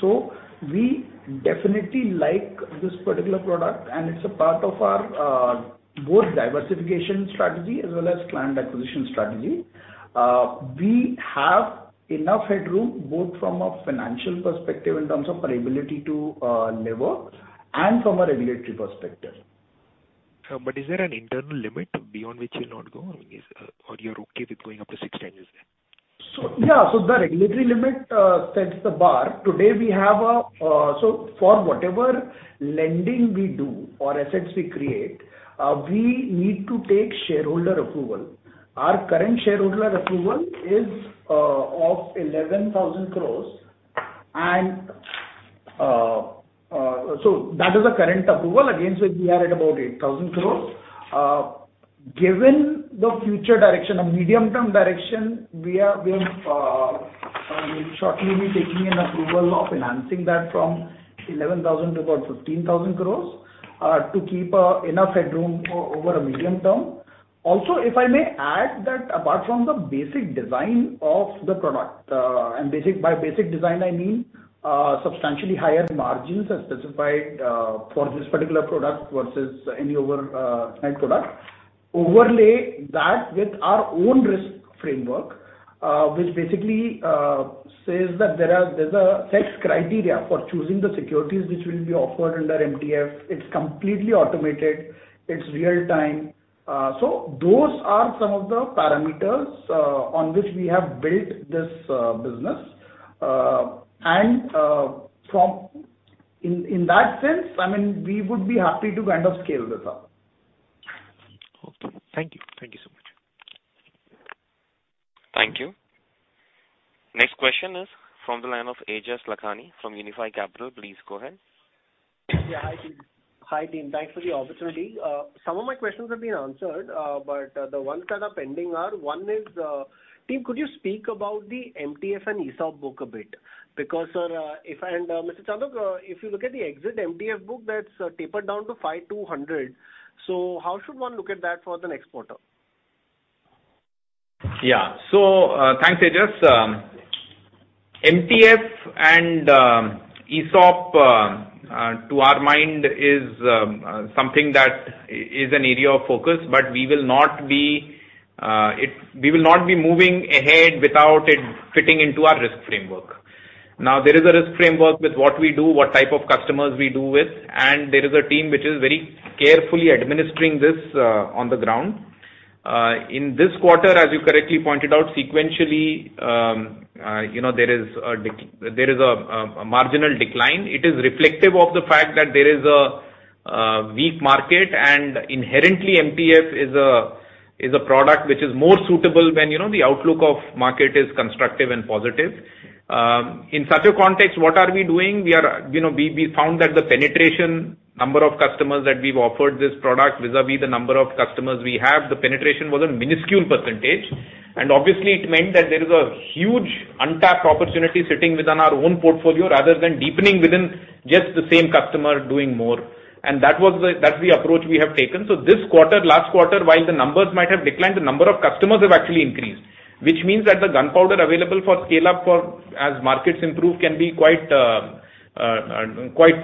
We definitely like this particular product, and it's a part of our both diversification strategy as well as client acquisition strategy. We have enough headroom, both from a financial perspective in terms of our ability to leverage and from a regulatory perspective. Is there an internal limit beyond which you'll not go? I mean, is or you're okay with going up to six times then? The regulatory limit sets the bar. Today, for whatever lending we do or assets we create, we need to take shareholder approval. Our current shareholder approval is of 11,000 crore. That is the current approval. We are at about 8,000 crore. Given the future direction, a medium-term direction, we'll shortly be taking an approval of enhancing that from 11,000 crore to about 15,000 crore to keep enough headroom over a medium term. Also, if I may add that apart from the basic design of the product, by basic design, I mean substantially higher margins as specified for this particular product versus any other bank product. Overlay that with our own risk framework, which basically says that there's a set criteria for choosing the securities which will be offered under MTF. It's completely automated. It's real time. Those are some of the parameters on which we have built this business. In that sense, I mean, we would be happy to kind of scale this up. Okay. Thank you. Thank you so much. Thank you. Next question is from the line of Aejas Lakhani from Unifi Capital. Please go ahead. Hi, team. Thanks for the opportunity. Some of my questions have been answered, but the ones that are pending are, one is, team, could you speak about the MTF and ESOP book a bit? Because, sir and Mr. Chandok, if you look at the existing MTF book, that's tapered down to 5,200. So how should one look at that for the next quarter? Yeah. Thanks, Aejas. MTF and ESOP to our mind is something that is an area of focus, but we will not be moving ahead without it fitting into our risk framework. Now, there is a risk framework with what we do, what type of customers we do with, and there is a team which is very carefully administering this on the ground. In this quarter, as you correctly pointed out, sequentially, you know, there is a marginal decline. It is reflective of the fact that there is a weak market and inherently MTF is a product which is more suitable when, you know, the outlook of market is constructive and positive. In such a context, what are we doing? We found that the penetration number of customers that we've offered this product vis-à-vis the number of customers we have, the penetration was a minuscule percentage. Obviously it meant that there is a huge untapped opportunity sitting within our own portfolio rather than deepening within just the same customer doing more. That's the approach we have taken. This quarter, last quarter, while the numbers might have declined, the number of customers have actually increased. Which means that the gunpowder available for scale-up as markets improve can be quite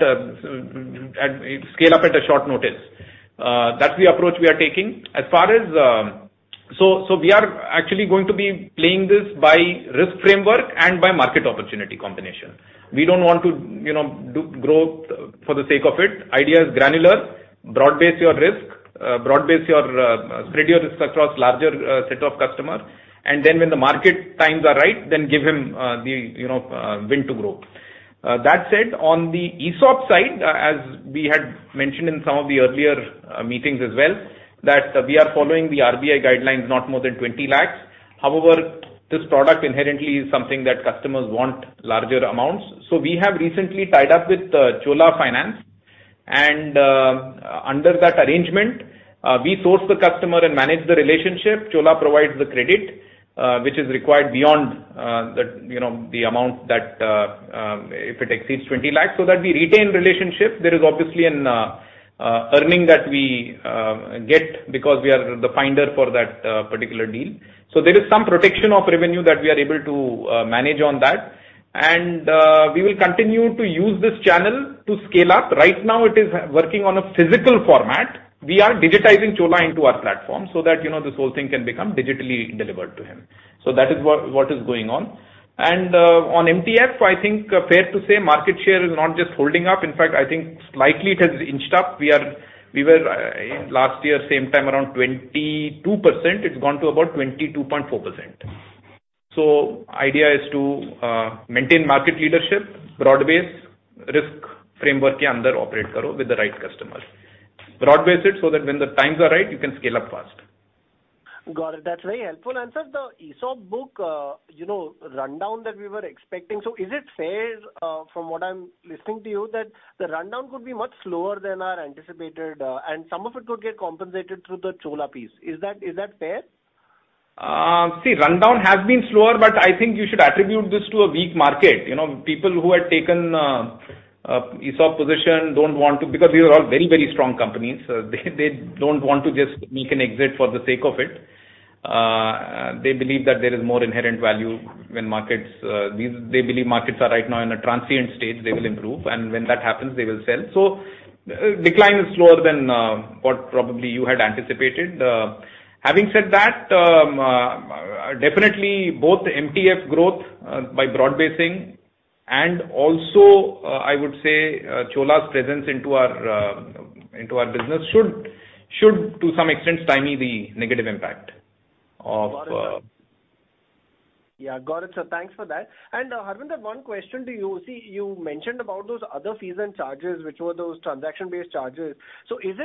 scale up at a short notice. That's the approach we are taking. As far as we are actually going to be playing this by risk framework and by market opportunity combination. We don't want to, you know, do growth for the sake of it. Idea is granular. Broad base your risk. Spread your risk across larger set of customers. Then when the market times are right, then give him the, you know, wings to grow. That said, on the ESOP side, as we had mentioned in some of the earlier meetings as well, that we are following the RBI guidelines not more than 20 lakh. However, this product inherently is something that customers want larger amounts. We have recently tied up with Cholamandalam Finance and under that arrangement, we source the customer and manage the relationship. Chola provides the credit which is required beyond the, you know, the amount that if it exceeds 20 lakh, so that we retain relationship. There is obviously an earning that we get because we are the finder for that particular deal. There is some protection of revenue that we are able to manage on that. We will continue to use this channel to scale up. Right now it is working on a physical format. We are digitizing Chola into our platform so that, you know, this whole thing can become digitally delivered to him. That is what is going on. On MTF, it's fair to say market share is not just holding up. In fact, I think slightly it has inched up. We were last year same time around 22%. It's gone to about 22.4%. Idea is to maintain market leadership, broad-based risk framework under which we operate with the right customers. Broad-base it so that when the times are right, you can scale up fast. Got it. That's very helpful. Sir, the ESOP book rundown that we were expecting. Is it fair, from what I'm listening to you that the rundown could be much slower than our anticipated, and some of it could get compensated through the Chola piece. Is that fair? See, rundown has been slower, but I think you should attribute this to a weak market. You know, people who had taken ESOP position don't want to because these are all very, very strong companies. They don't want to just make an exit for the sake of it. They believe that there is more inherent value when markets they believe markets are right now in a transient state, they will improve. When that happens, they will sell. Decline is slower than what probably you had anticipated. Having said that, definitely both MTF growth by broad-basing, and also I would say, Chola's presence into our business should to some extent tame the negative impact. Got it, sir. Yeah. Got it, sir. Thanks for that. Harvinder, one question to you. See, you mentioned about those other fees and charges, which were those transaction-based charges. Is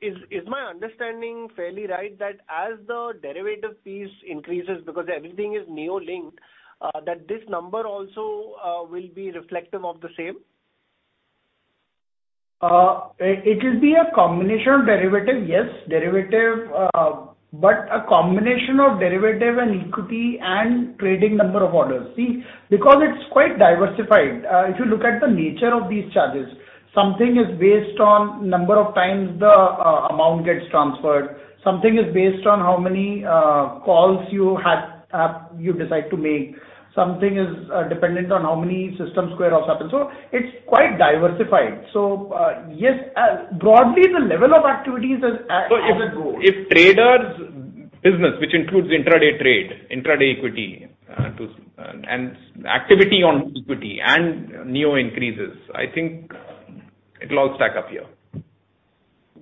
it my understanding fairly right that as the derivative fees increases because everything is Neo-linked, that this number also will be reflective of the same? It will be a combination of derivatives, yes, but a combination of derivatives and equity and trading number of orders. See, because it's quite diversified. If you look at the nature of these charges, something is based on number of times the amount gets transferred. Something is based on how many calls you decide to make. Something is dependent on how many system square offs happen. It's quite diversified. Yes, broadly the level of activities as it grows. If traders business, which includes intraday trade, intraday equity, and activity on equity and Neo increases, I think it'll all stack up here.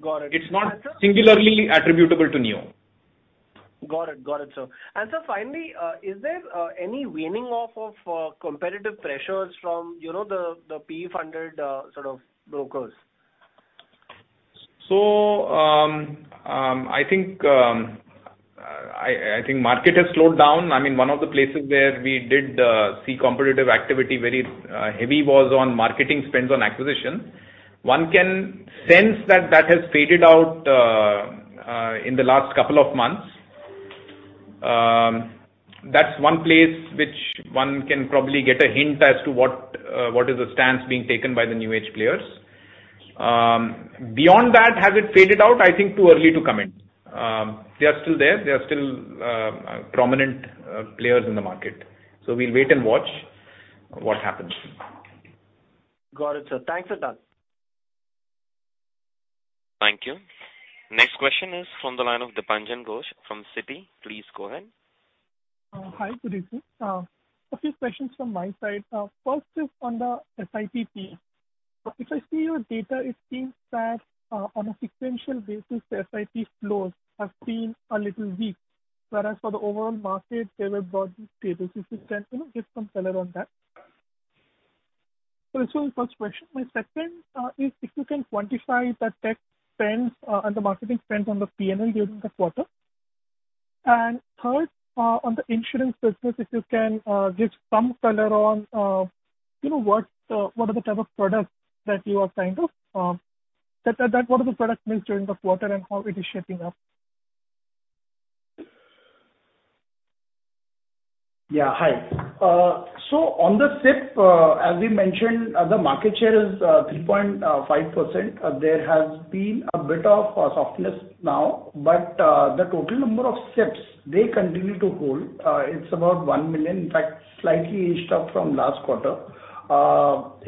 Got it. Sir- It's not singularly attributable to Neo. Got it. Got it, sir. Sir, finally, is there any weaning off of competitive pressures from, you know, the PE funded sort of brokers? I think market has slowed down. I mean, one of the places where we did see competitive activity very heavy was on marketing spends on acquisition. One can sense that has faded out in the last couple of months. That's one place which one can probably get a hint as to what is the stance being taken by the new age players. Beyond that, has it faded out? I think too early to comment. They are still there. They are still prominent players in the market. We'll wait and watch what happens. Got it, sir. Thanks a ton. Thank you. Next question is from the line of Dipanjan Ghosh from Citi. Please go ahead. Hi. Good evening. A few questions from my side. First is on the SIP piece. If I see your data, it seems that, on a sequential basis, the SIP flows have been a little weak. Whereas for the overall market, they were broadly stable. If you can, you know, give some color on that. This was first question. My second is if you can quantify the tech spends and the marketing spends on the P&L during the quarter. Third, on the insurance business, if you can give some color on, you know, what are the type of products that you are trying to what are the product mix during the quarter and how it is shaping up? Yeah. Hi. So on the SIP, as we mentioned, the market share is 3.5%. There has been a bit of a softness now, but the total number of SIPs, they continue to hold. It's about 1 million, in fact, slightly inched up from last quarter.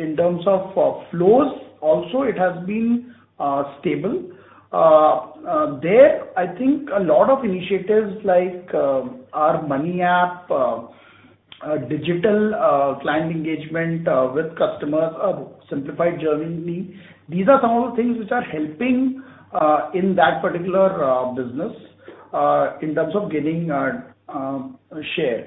In terms of flows, also it has been stable. There, I think a lot of initiatives like our money app, digital client engagement with customers, simplified journey. These are some of the things which are helping in that particular business in terms of gaining share.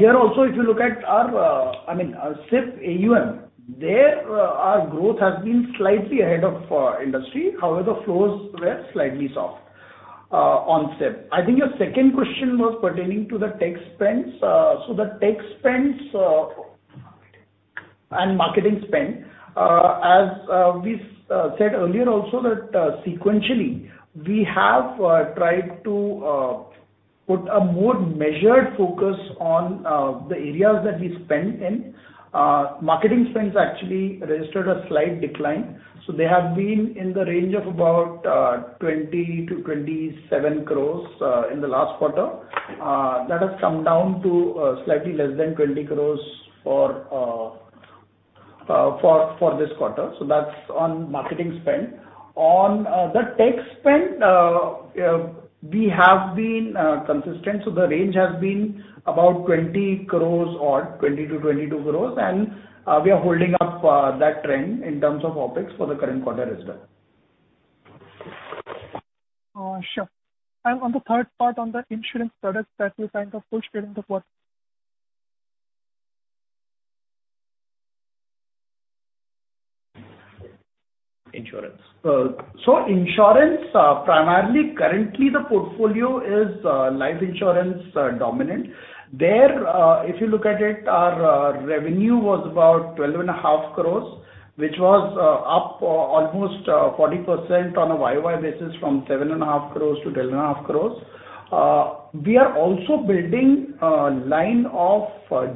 Here also, if you look at our, I mean, our SIP AUM, there our growth has been slightly ahead of industry. However, flows were slightly soft on SIP. I think your second question was pertaining to the tech spends. The tech spends and marketing spend, as we said earlier also that, sequentially, we have tried to put a more measured focus on the areas that we spend in. Marketing spends actually registered a slight decline. They have been in the range of about 20-27 crores in the last quarter. That has come down to slightly less than 20 crores for this quarter. That's on marketing spend. On the tech spend, we have been consistent. The range has been about 20 crores or 20-22 crores. We are holding up that trend in terms of OpEx for the current quarter as well. Sure. On the third part, on the insurance product that you're trying to push during the fourth Insurance. Insurance primarily, currently the portfolio is life insurance dominant. If you look at it, our revenue was about 12.5 crores, which was up almost 40% on a YOY basis from 7.5 crores to 12.5 crores. We are also building a line of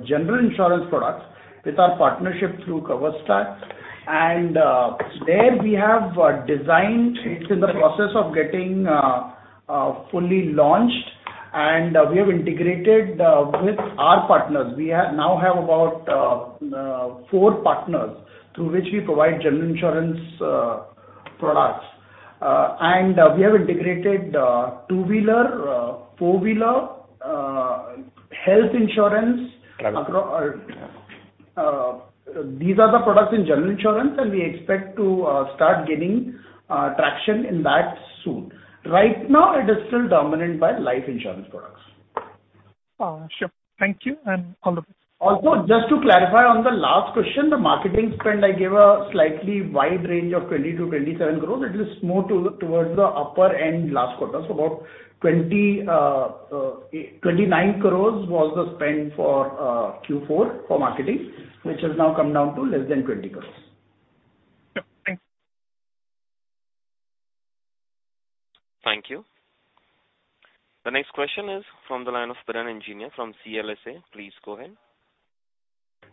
general insurance products with our partnership through Coverfox. There we have designed, it's in the process of getting fully launched, and we have integrated with our partners. We now have about four partners through which we provide general insurance products. We have integrated two-wheeler, four-wheeler, health insurance. Travel. These are the products in general insurance, and we expect to start gaining traction in that soon. Right now, it is still dominant by life insurance products. Sure. Thank you. All of us. Also, just to clarify on the last question, the marketing spend, I gave a slightly wide range of 20-27 crores. It is more towards the upper end last quarter. About 29 crores was the spend for Q4 for marketing, which has now come down to less than 20 crores. Yep. Thanks. Thank you. The next question is from the line of Piran Engineer from CLSA. Please go ahead.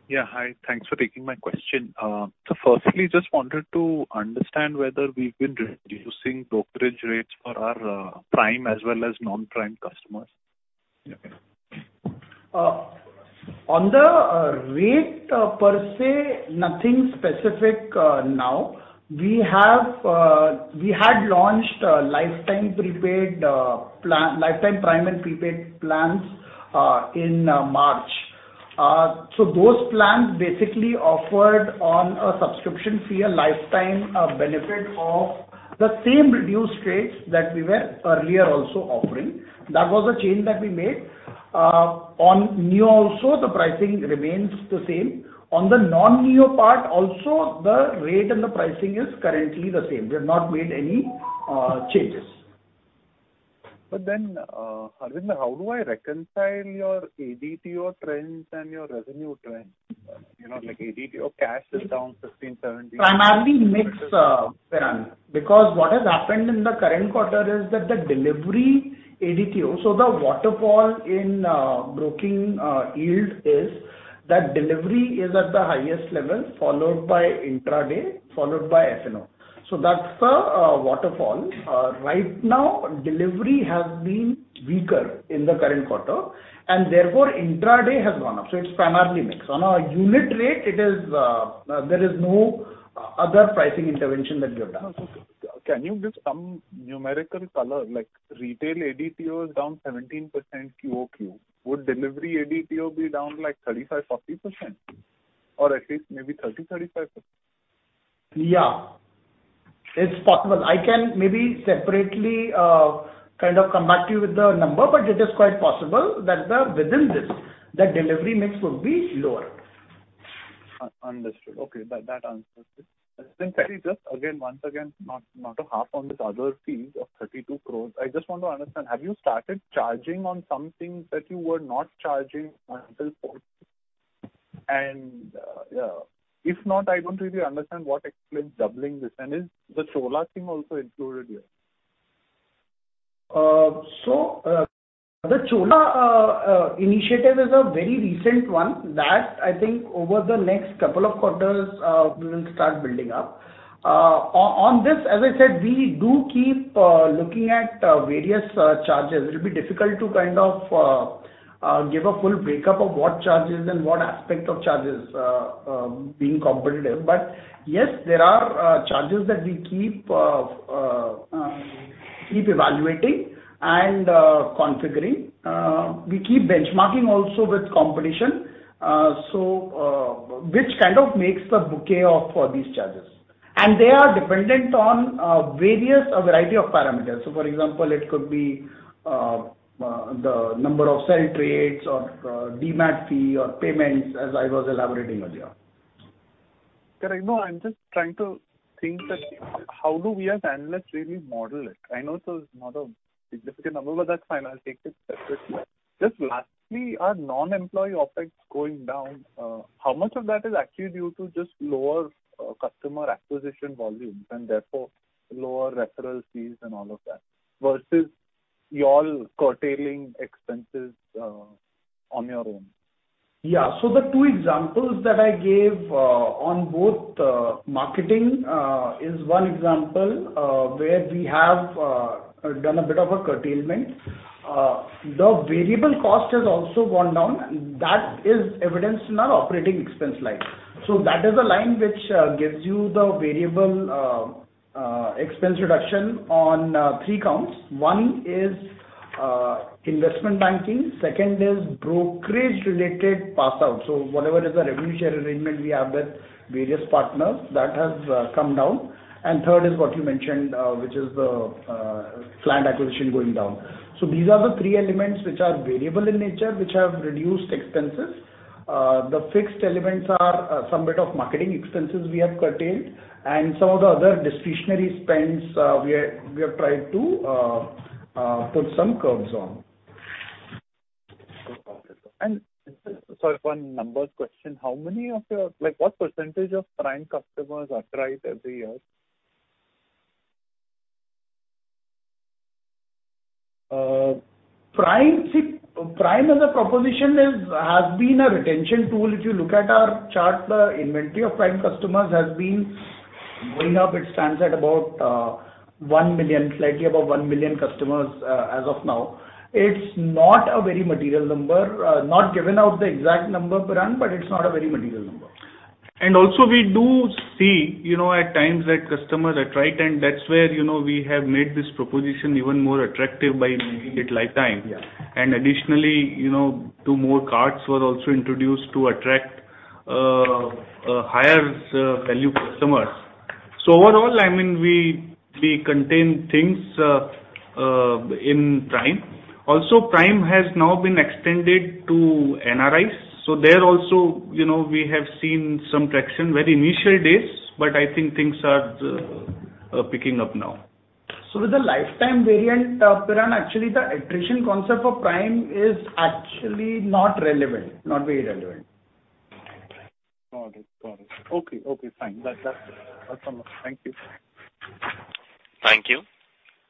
Yeah, hi. Thanks for taking my question. Firstly, just wanted to understand whether we've been reducing brokerage rates for our, Prime as well as non-Prime customers. Yeah. On the rate per se, nothing specific now. We had launched a lifetime prepaid plan, lifetime Prime and prepaid plans in March. Those plans basically offered on a subscription fee, a lifetime benefit of the same reduced rates that we were earlier also offering. That was a change that we made. On Neo also the pricing remains the same. On the non-Neo part also, the rate and the pricing is currently the same. We have not made any changes. Harvinder, how do I reconcile your ADTO trends and your revenue trends? You know, like ADTO cash is down 15, 17- Primarily mix, Piran, because what has happened in the current quarter is that the delivery ADTO, so the waterfall in broking yield is that delivery is at the highest level, followed by intraday, followed by F&O. That's the waterfall. Right now delivery has been weaker in the current quarter and therefore intraday has gone up. It's primarily mix. On a unit rate, it is, there is no other pricing intervention that we have done. Can you give some numerical color? Like retail ADTO is down 17% QOQ. Would delivery ADTO be down like 35-40%? Or at least maybe 30-35%? Yeah. It's possible. I can maybe separately kind of come back to you with the number, but it is quite possible that within this, the delivery mix would be lower. Understood. Okay. That answers it. Thirdly, just once again, not to harp on this other fee of 32 crores. I just want to understand, have you started charging on some things that you were not charging until Q4? If not, I don't really understand what explains doubling this. Is the Chola thing also included here? The Chola initiative is a very recent one that I think over the next couple of quarters we will start building up. On this, as I said, we do keep looking at various charges. It'll be difficult to kind of give a full breakup of what charges and what aspect of charges being competitive. Yes, there are charges that we keep evaluating and configuring. We keep benchmarking also with competition, so which kind of makes the bouquet of these charges. They are dependent on various, a variety of parameters. For example, it could be the number of sell trades or Demat fee or payments as I was elaborating earlier. Correct. No, I'm just trying to think that how do we as analysts really model it? I know it's not a significant number, but that's fine. I'll take it separately. Just lastly, are non-employee OpEx going down? How much of that is actually due to just lower customer acquisition volumes and therefore lower referral fees and all of that versus your curtailing expenses on your own? The two examples that I gave on both marketing is one example where we have done a bit of a curtailment. The variable cost has also gone down. That is evidenced in our operating expense line. That is a line which gives you the variable expense reduction on three counts. One is investment banking. Second is brokerage-related pass-through. Whatever is the revenue share arrangement we have with various partners, that has come down. Third is what you mentioned, which is the client acquisition going down. These are the three elements which are variable in nature, which have reduced expenses. The fixed elements are some bit of marketing expenses we have curtailed and some of the other discretionary spends we have tried to put some curbs on. Sorry, one numbers question. How many of your, like, what percentage of Prime customers attrite every year? Prime. See, Prime as a proposition is, has been a retention tool. If you look at our chart, the inventory of Prime customers has been going up. It stands at about, 1 million, slightly above 1 million customers, as of now. It's not a very material number. Not giving out the exact number, Piran, but it's not a very material number. Also we do see, you know, at times that customers attrite, and that's where, you know, we have made this proposition even more attractive by making it lifetime. Yeah. Additionally, you know, two more cards were also introduced to attract higher-value customers. Overall, I mean, we contain things in Prime. Also, Prime has now been extended to NRIs. There also, you know, we have seen some traction. Very initial days, but I think things are picking up now. With the lifetime variant, Piran, actually the attrition concept for Prime is actually not relevant. Not very relevant. Got it. Okay, fine. That's all. Thank you. Thank you.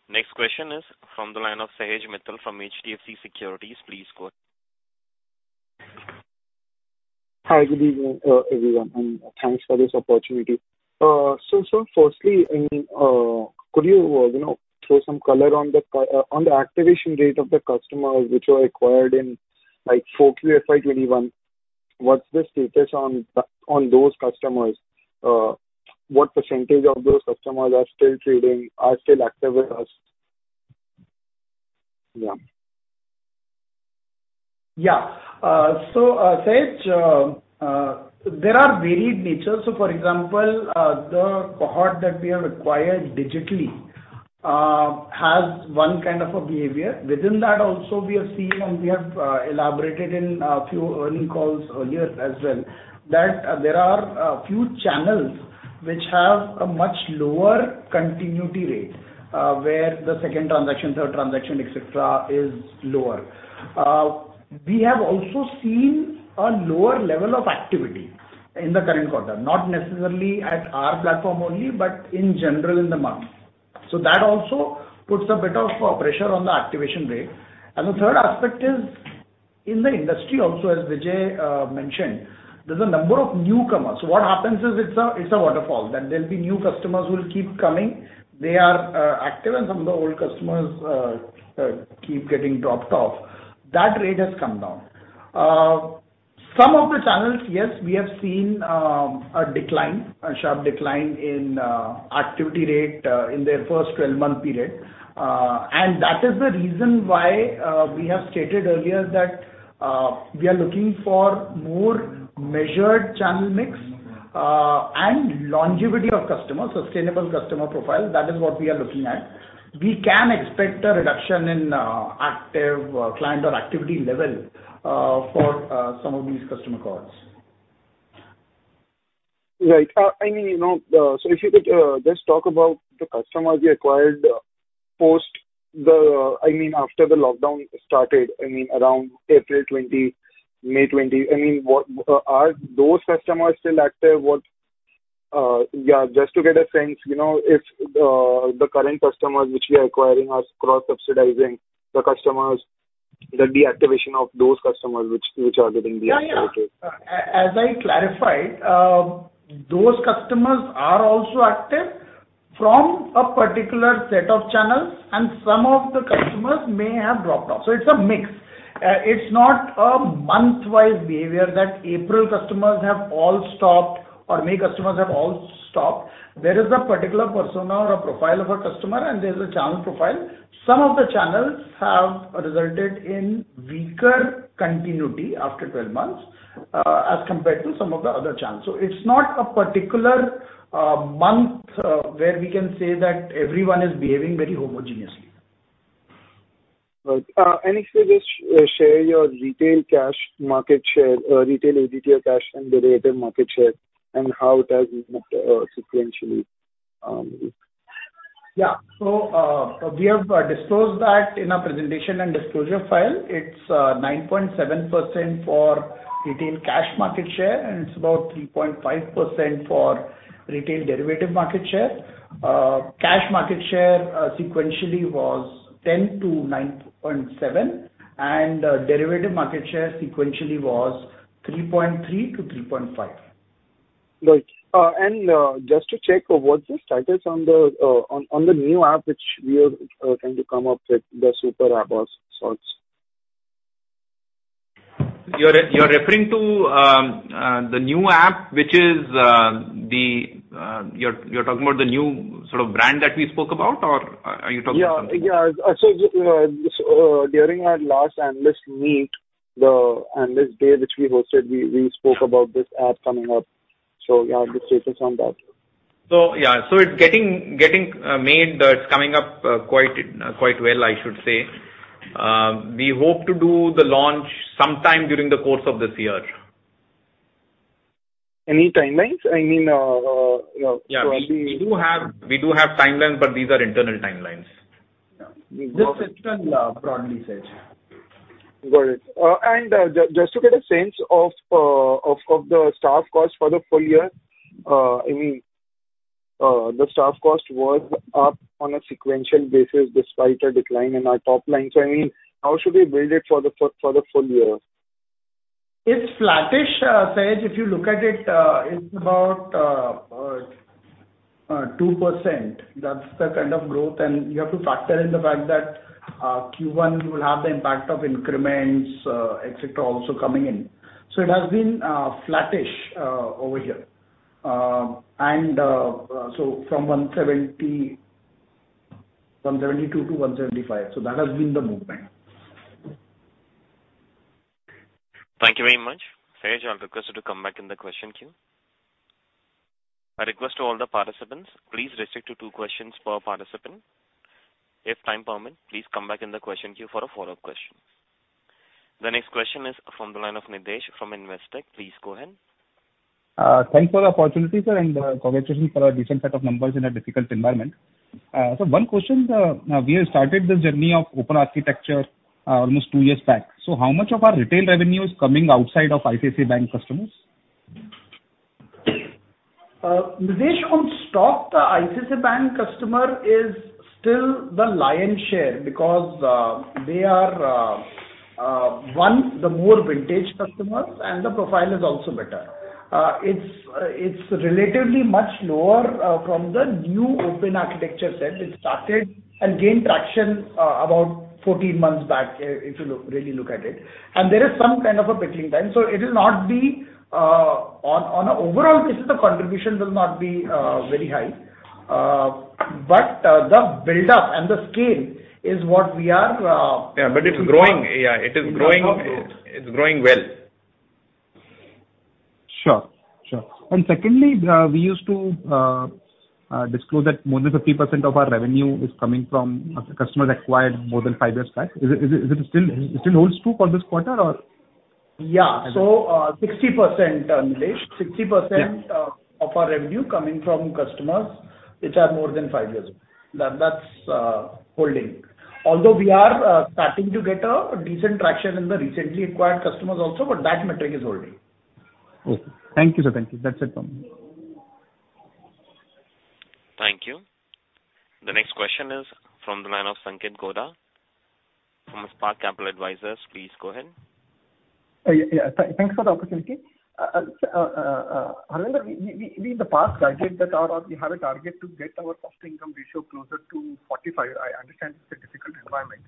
Next question is from the line of Sahaj Agrawal from HDFC Securities. Please go ahead. Hi, good evening, everyone, and thanks for this opportunity. So, sir, firstly, I mean, could you know, throw some color on the activation rate of the customers which were acquired in, like, 4Q FY 2021? What's the status on those customers? What percentage of those customers are still trading, are still active with us? Yeah. Yeah. Sahaj, there are varied natures. For example, the cohort that we have acquired digitally has one kind of a behavior. Within that also we have seen and elaborated in a few earnings calls earlier as well, that there are a few channels which have a much lower continuity rate, where the second transaction, third transaction, et cetera, is lower. We have also seen a lower level of activity in the current quarter, not necessarily at our platform only, but in general in the market. That also puts a bit of pressure on the activation rate. The third aspect is in the industry also, as Vijay mentioned, there's a number of newcomers. What happens is it's a waterfall, that there'll be new customers who will keep coming. They are active and some of the old customers keep getting dropped off. That rate has come down. Some of the channels, yes, we have seen a decline, a sharp decline in activity rate in their first 12-month period. That is the reason why we have stated earlier that we are looking for more measured channel mix and longevity of customers, sustainable customer profile. That is what we are looking at. We can expect a reduction in active client or activity level for some of these customer cohorts. Right. I mean, you know, so if you could just talk about the customers you acquired after the lockdown started, I mean, around April 2020, May 2020. I mean, are those customers still active? Yeah, just to get a sense, you know, if the current customers which we are acquiring are cross-subsidizing the customers, the deactivation of those customers which are getting deactivated. Yeah, yeah. As I clarified, those customers are also active from a particular set of channels, and some of the customers may have dropped off. It's a mix. It's not a month-wise behavior that April customers have all stopped or May customers have all stopped. There is a particular persona or a profile of a customer and there's a channel profile. Some of the channels have resulted in weaker continuity after 12 months, as compared to some of the other channels. It's not a particular month where we can say that everyone is behaving very homogeneously. Right. If you could just share your retail cash market share, retail ADTO cash and derivative market share and how it has moved sequentially. We have disclosed that in our presentation and disclosure file. It's 9.7% for retail cash market share, and it's about 3.5% for retail derivative market share. Cash market share sequentially was 10%-9.7%, and derivative market share sequentially was 3.3%-3.5%. Right. Just to check, what's the status on the new app which we are trying to come up with, the super app of sorts? You're referring to the new app. You're talking about the new sort of brand that we spoke about, or are you talking about something else? Yeah, yeah. During our last analyst meet, the analyst day which we hosted, we spoke about this app coming up. Yeah, just status on that. Yeah. It's getting made. It's coming up quite well, I should say. We hope to do the launch sometime during the course of this year. Any timelines? I mean, you know, broadly. Yeah. We do have timelines, but these are internal timelines. Just broadly Sahaj. Got it. Just to get a sense of the staff costs for the full year, I mean, the staff cost was up on a sequential basis despite a decline in our top line. I mean, how should we build it for the full year? It's flattish, Sahaj. If you look at it's about 2%. That's the kind of growth and you have to factor in the fact that Q1 you will have the impact of increments, et cetera, also coming in. It has been flattish over here. From 170, 172 to 175. That has been the movement. Thank you very much. Sahaj, you are requested to come back in the question queue. A request to all the participants. Please restrict to two questions per participant. If time permit, please come back in the question queue for a follow-up question. The next question is from the line of Nidhesh from Investec. Please go ahead. Thanks for the opportunity, sir, and congratulations for a decent set of numbers in a difficult environment. One question, we have started this journey of open architecture almost two years back. How much of our retail revenue is coming outside of ICICI Bank customers? Nidhesh, on stock, the ICICI Bank customer is still the lion's share because they are the more vintage customers and the profile is also better. It's relatively much lower from the new open architecture set which started and gained traction about 14 months back, if you look, really look at it. There is some kind of a bedding-in time. It will not be. On an overall basis, the contribution will not be very high. The build-up and the scale is what we are. Yeah, it's growing. Yeah, it is growing. It's growing well. Sure. Sure. Secondly, we used to disclose that more than 50% of our revenue is coming from customers acquired more than 5 years back. Is it still holds true for this quarter or? Yeah. 60%, Nidhesh. 60%. Yeah. of our revenue coming from customers which are more than five years old. That's holding. Although we are starting to get a decent traction in the recently acquired customers also, but that metric is holding. Okay. Thank you, sir. Thank you. That's it from me. Thank you. The next question is from the line of Sanketh Godha from Spark Capital Advisors. Please go ahead. Yeah. Thanks for the opportunity. Sir, earlier we in the past guided that we have a target to get our cost-to-income ratio closer to 45. I understand it's a difficult environment.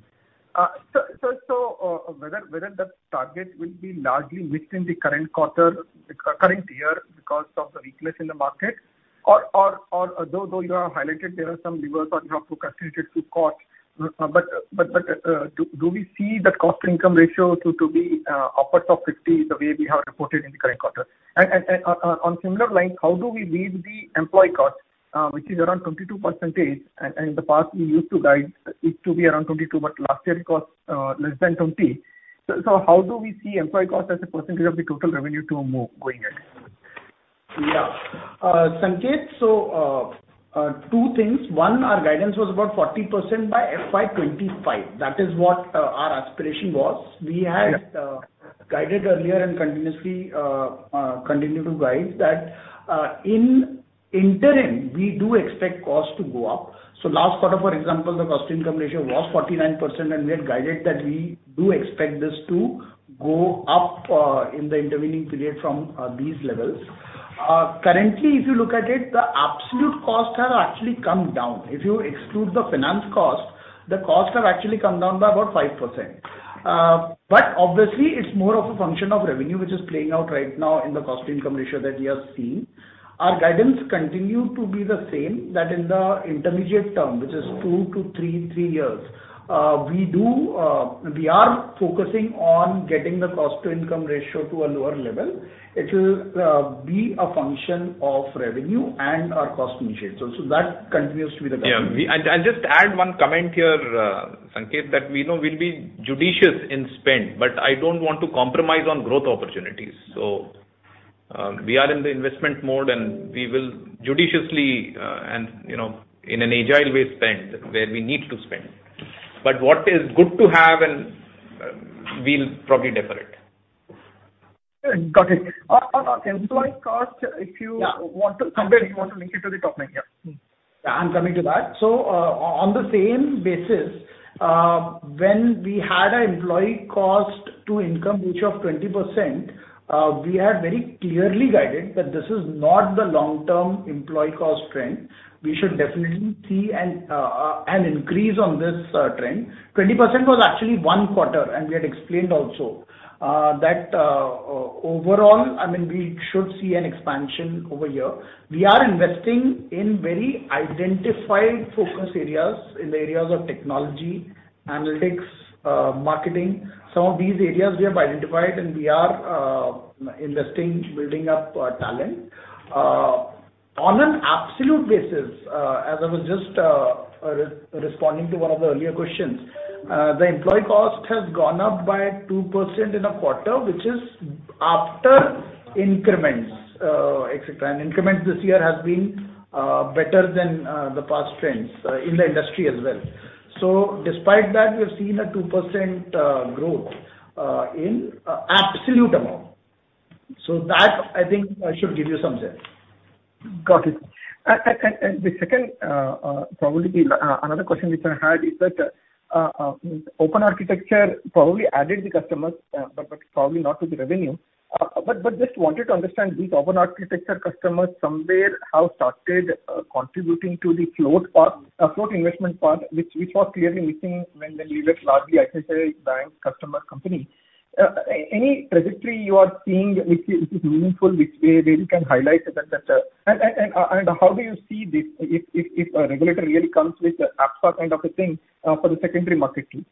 Whether that target will be largely missed in the current year because of the weakness in the market? Or though you have highlighted there are some levers that you have to concentrate it to cost, but do we see that cost-to-income ratio to be upwards of 50 the way we have reported in the current quarter? On similar lines, how do we read the employee cost, which is around 22%? In the past you used to guide it to be around 22%, but last year it cost less than 20%. How do we see employee cost as a percentage of the total revenue to move going ahead? Yeah. Sanketh, two things. One, our guidance was about 40% by FY 2025. That is what our aspiration was. Yeah. We had guided earlier and continuously continue to guide that in interim, we do expect costs to go up. Last quarter, for example, the cost-to-income ratio was 49%, and we had guided that we do expect this to go up in the intervening period from these levels. Currently, if you look at it, the absolute costs have actually come down. If you exclude the finance cost, the costs have actually come down by about 5%. But obviously, it's more of a function of revenue which is playing out right now in the cost-to-income ratio that we have seen. Our guidance continue to be the same that in the intermediate term, which is two to three years, we do we are focusing on getting the cost-to-income ratio to a lower level. It will be a function of revenue and our cost initiatives. That continues to be the guidance. Yeah. I'll just add one comment here, Sanketh, that we know we'll be judicious in spend, but I don't want to compromise on growth opportunities. We are in the investment mode, and we will judiciously and, you know, in an agile way, spend where we need to spend. What is good to have and we'll probably defer it. Got it. On employee cost, if you want to compare, you want to link it to the top line. Yeah. I'm coming to that. On the same basis, when we had an employee cost to income ratio of 20%, we have very clearly guided that this is not the long-term employee cost trend. We should definitely see an increase on this trend. 20% was actually one quarter, and we had explained also that overall, I mean, we should see an expansion over here. We are investing in very identified focus areas in the areas of technology, analytics, marketing. Some of these areas we have identified and we are investing, building up talent. On an absolute basis, as I was just re-responding to one of the earlier questions, the employee cost has gone up by 2% in a quarter, which is after increments, et cetera. Increments this year has been better than the past trends in the industry as well. Despite that, we have seen a 2% growth in absolute amount. That, I think, should give you some sense. Got it. The second, probably another question which I had is that open architecture probably added the customers, but probably not to the revenue. Just wanted to understand these open architecture customers somewhere have started contributing to the float part, float investment part, which was clearly missing when we were largely ICICI Bank customer company. Any trajectory you are seeing which is meaningful which we really can highlight. How do you see this if a regulator really comes with ASBA kind of a thing for the secondary market too?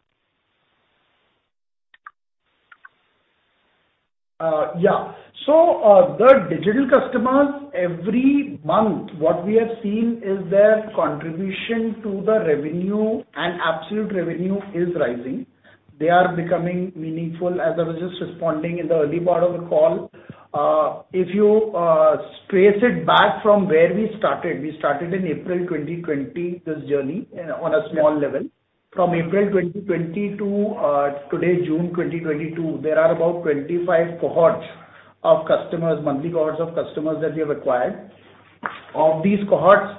Yeah. The digital customers, every month, what we have seen is their contribution to the revenue and absolute revenue is rising. They are becoming meaningful. As I was just responding in the early part of the call, if you trace it back from where we started, we started in April 2020 this journey on a small level. From April 2020 to today, June 2022, there are about 25 cohorts of customers, monthly cohorts of customers that we have acquired. Of these cohorts,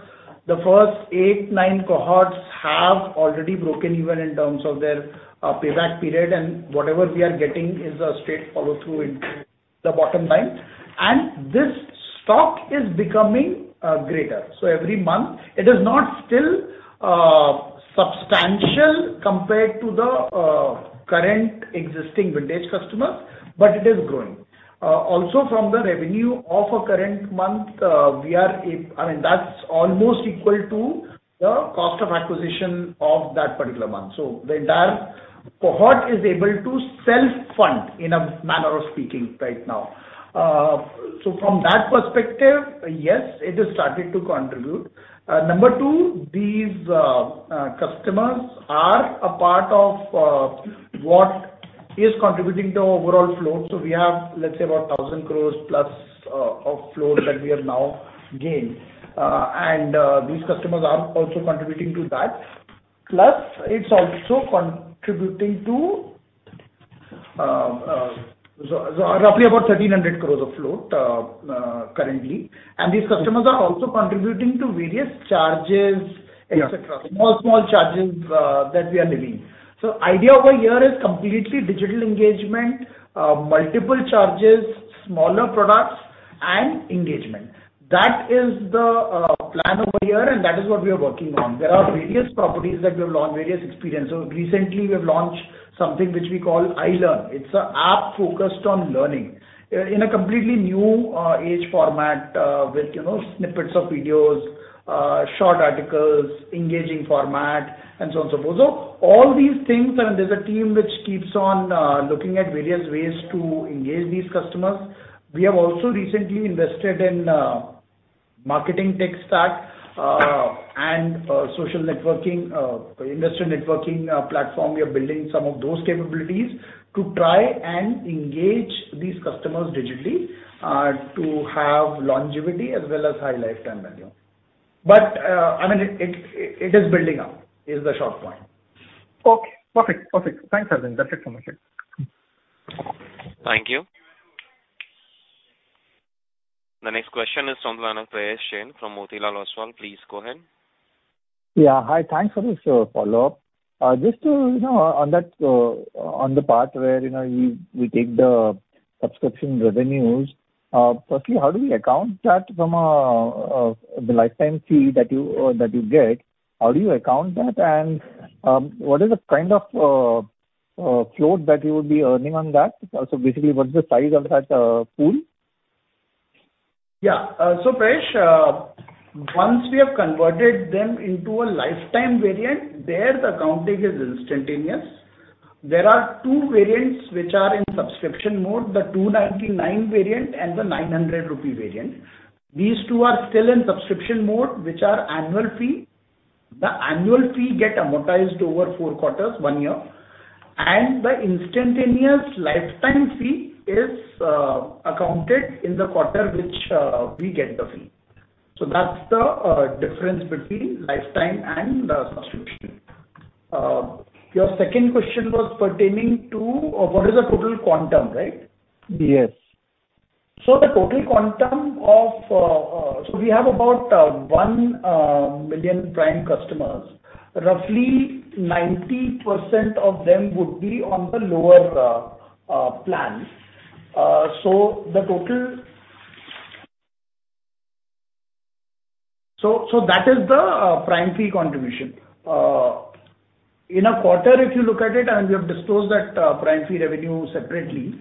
the first eight, nine cohorts have already broken even in terms of their payback period and whatever we are getting is a straight follow-through in the bottom line. This stock is becoming greater. Every month, it is not still substantial compared to the current existing vintage customers, but it is growing. Also from the revenue of a current month, I mean, that's almost equal to the cost of acquisition of that particular month. The entire cohort is able to self-fund in a manner of speaking right now. From that perspective, yes, it has started to contribute. Number two, these customers are a part of what is contributing to overall float. We have, let's say, about 1,000 crore plus of float that we have now gained. These customers are also contributing to that. Plus it's also contributing to roughly about 1,300 crore of float currently. These customers are also contributing to various charges, et cetera. Yeah. Small charges that we are delivering. Idea over here is completely digital engagement, multiple charges, smaller products and engagement. That is the plan over here, and that is what we are working on. There are various properties that we have launched, various experiences. Recently we have launched something which we call iLearn. It's an app focused on learning in a completely new engaging format with, you know, snippets of videos, short articles, engaging format and so on, so forth. All these things, and there's a team which keeps on looking at various ways to engage these customers. We have also recently invested in marketing tech stack and social networking investor networking platform. We are building some of those capabilities to try and engage these customers digitally, to have longevity as well as high lifetime value. I mean, it is building up is the short point. Okay. Perfect. Thanks, Harvinder. That's it from my side. Thank you. The next question is from the line of Probal Sen from Motilal Oswal. Please go ahead. Yeah. Hi. Thanks Harvinder for follow-up. Just to, you know, on that, on the part where, you know, we take the subscription revenues. Firstly, how do we account for that from the lifetime fee that you get? How do you account for that? What is the kind of float that you would be earning on that? Also, basically, what's the size of that pool? Yeah. Probal, once we have converted them into a lifetime variant, there the accounting is instantaneous. There are two variants which are in subscription mode: the 299 variant and the 900 rupee variant. These two are still in subscription mode, which are annual fee. The annual fee get amortized over four quarters, one year. The instantaneous lifetime fee is accounted in the quarter which we get the fee. That's the difference between lifetime and the subscription. Your second question was pertaining to what is the total quantum, right? Yes. We have about 1 million Prime customers. Roughly 90% of them would be on the lower plan. That is the Prime fee contribution. In a quarter, if you look at it, and we have disclosed that, Prime fee revenue separately.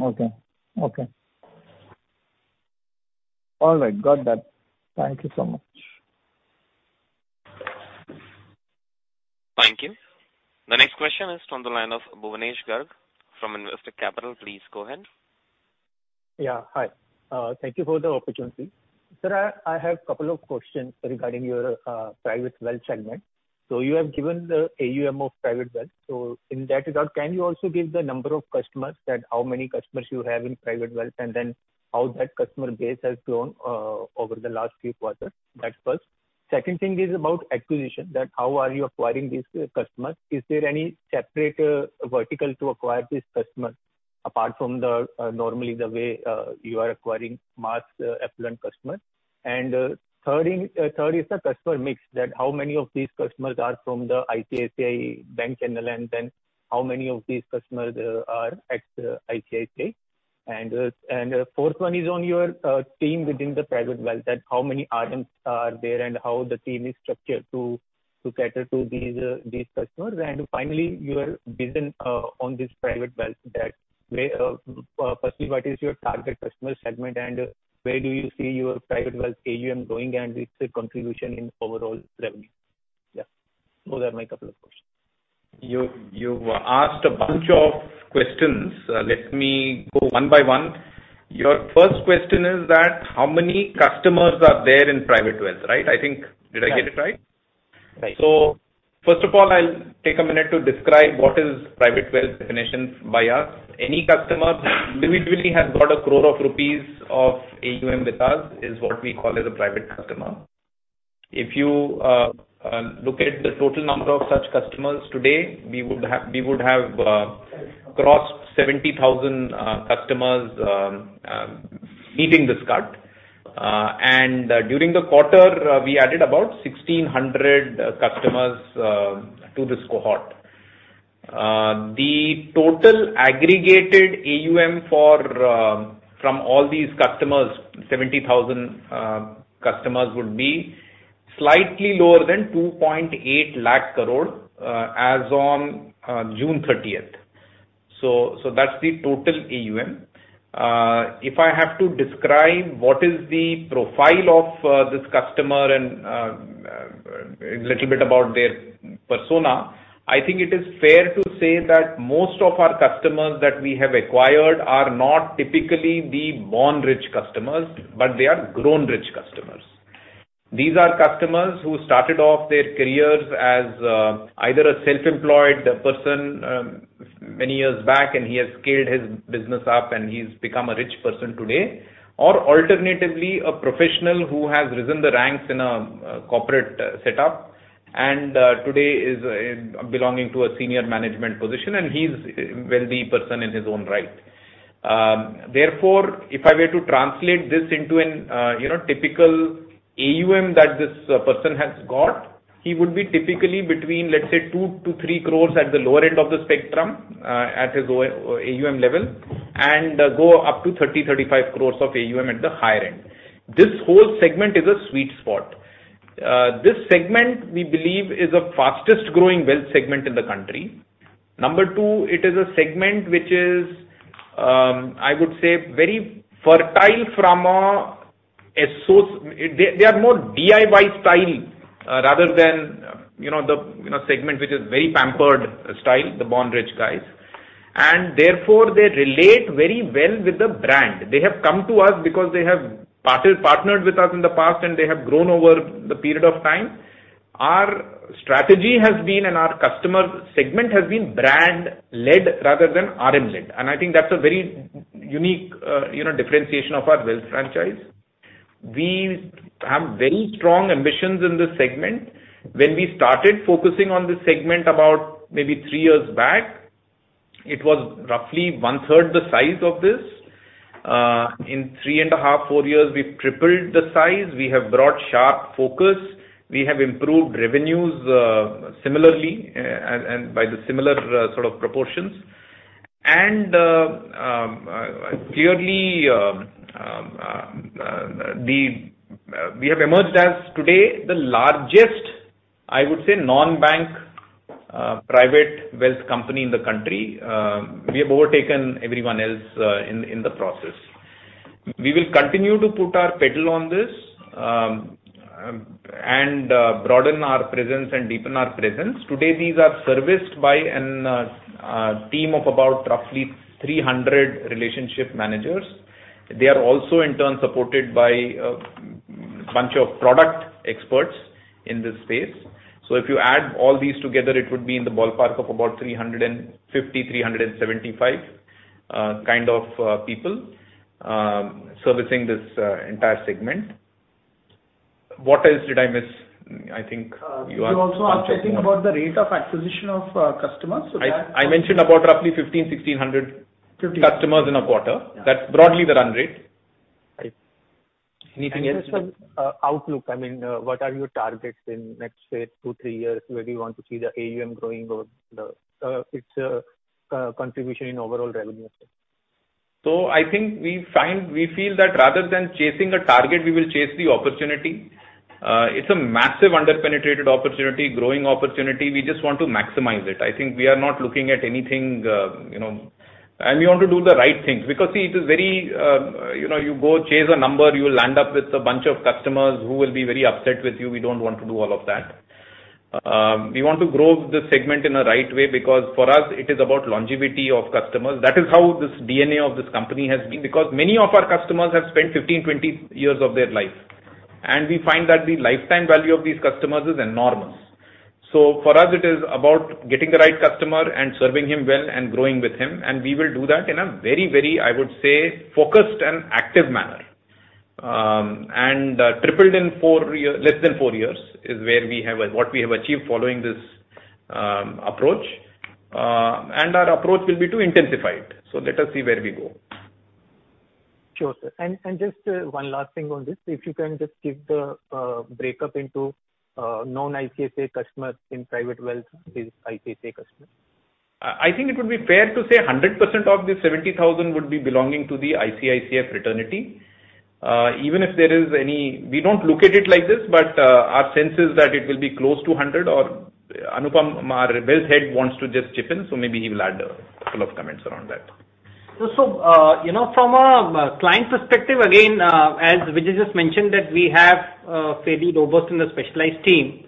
Okay. All right. Got that. Thank you so much. Thank you. The next question is from the line of Bhuvnesh Garg from Investec Capital. Please go ahead. Hi. Thank you for the opportunity. Sir, I have a couple of questions regarding your private wealth segment. You have given the AUM of private wealth. In that regard, can you also give the number of customers that how many customers you have in private wealth and then how that customer base has grown over the last few quarters? That's first. Second thing is about acquisition, that how are you acquiring these customers? Is there any separate vertical to acquire these customers apart from the normal way you are acquiring mass affluent customers? Third thing is the customer mix, that how many of these customers are from the ICICI Bank channel and then how many of these customers are at ICICI? Fourth one is on your team within the private wealth, that how many RMs are there and how the team is structured to cater to these customers. Finally, your vision on this private wealth that where firstly, what is your target customer segment and where do you see your private wealth AUM going and its contribution in overall revenue? Yeah. Those are my couple of questions. You asked a bunch of questions. Let me go one by one. Your first question is that how many customers are there in private wealth, right? I think. Did I get it right? Right. First of all, I'll take a minute to describe what is private wealth definition by us. Any customer who really has got 1 crore rupees of AUM with us is what we call as a private customer. If you look at the total number of such customers today, we would have crossed 70,000 customers meeting this cut. During the quarter, we added about 1,600 customers to this cohort. The total aggregated AUM from all these customers, 70,000 customers, would be slightly lower than 2.8 lakh crore as on June 30th. That's the total AUM. If I have to describe what is the profile of this customer and little bit about their persona, I think it is fair to say that most of our customers that we have acquired are not typically the born rich customers, but they are grown rich customers. These are customers who started off their careers as either a self-employed person many years back, and he has scaled his business up and he's become a rich person today. Or alternatively, a professional who has risen the ranks in a corporate setup and today is belonging to a senior management position and he's a wealthy person in his own right. Therefore, if I were to translate this into a, you know, typical AUM that this person has got, he would be typically between, let's say 2-3 crore at the lower end of the spectrum, at his own AUM level, and go up to 30-35 crore of AUM at the higher end. This whole segment is a sweet spot. This segment, we believe, is the fastest-growing wealth segment in the country. Number two, it is a segment which is, I would say very fertile. They are more DIY style, rather than, you know, the, you know, segment which is very pampered style, the born rich guys. Therefore, they relate very well with the brand. They have come to us because they have partnered with us in the past and they have grown over the period of time. Our strategy has been and our customer segment has been brand-led rather than RM-led, and I think that's a very unique, you know, differentiation of our wealth franchise. We have very strong ambitions in this segment. When we started focusing on this segment about maybe three years back, it was roughly one-third the size of this. In three and a half, four years, we've tripled the size. We have brought sharp focus. We have improved revenues, similarly, and by the similar sort of proportions. Clearly, we have emerged as today the largest, I would say, non-bank private wealth company in the country. We have overtaken everyone else in the process. We will continue to put our pedal on this and broaden our presence and deepen our presence. Today, these are serviced by a team of about roughly 300 relationship managers. They are also in turn supported by bunch of product experts in this space. So if you add all these together, it would be in the ballpark of about 350, 375 kind of people servicing this entire segment. What else did I miss? I think you are- You also asked, I think, about the rate of acquisition of customers. I mentioned about roughly 1,500-1,600 customers in a quarter. Yeah. That's broadly the run rate. Right. Anything else? Just outlook. I mean, what are your targets in next, say, two, three years? Where do you want to see the AUM growing or its contribution in overall revenue? I think we feel that rather than chasing a target, we will chase the opportunity. It's a massive under-penetrated opportunity, growing opportunity. We just want to maximize it. I think we are not looking at anything, you know. We want to do the right things, because, see, it is very, you know, you go chase a number, you will land up with a bunch of customers who will be very upset with you. We don't want to do all of that. We want to grow this segment in a right way because for us it is about longevity of customers. That is how this DNA of this company has been, because many of our customers have spent 15, 20 years of their life. We find that the lifetime value of these customers is enormous. For us, it is about getting the right customer and serving him well and growing with him. We will do that in a very, very, I would say, focused and active manner. Tripled in less than four years is what we have achieved following this approach. Our approach will be to intensify it. Let us see where we go. Sure, sir. Just one last thing on this. If you can just give the breakup into non-ICICI customers in private wealth with ICICI customers. I think it would be fair to say 100% of the 70,000 would be belonging to the ICICI fraternity. Even if there is any, we don't look at it like this, but our sense is that it will be close to 100% or Anupam, our wealth head, wants to just chip in, so maybe he will add a couple of comments around that. You know, from a client perspective, again, as Vijay just mentioned, that we have a fairly robust and a specialized team.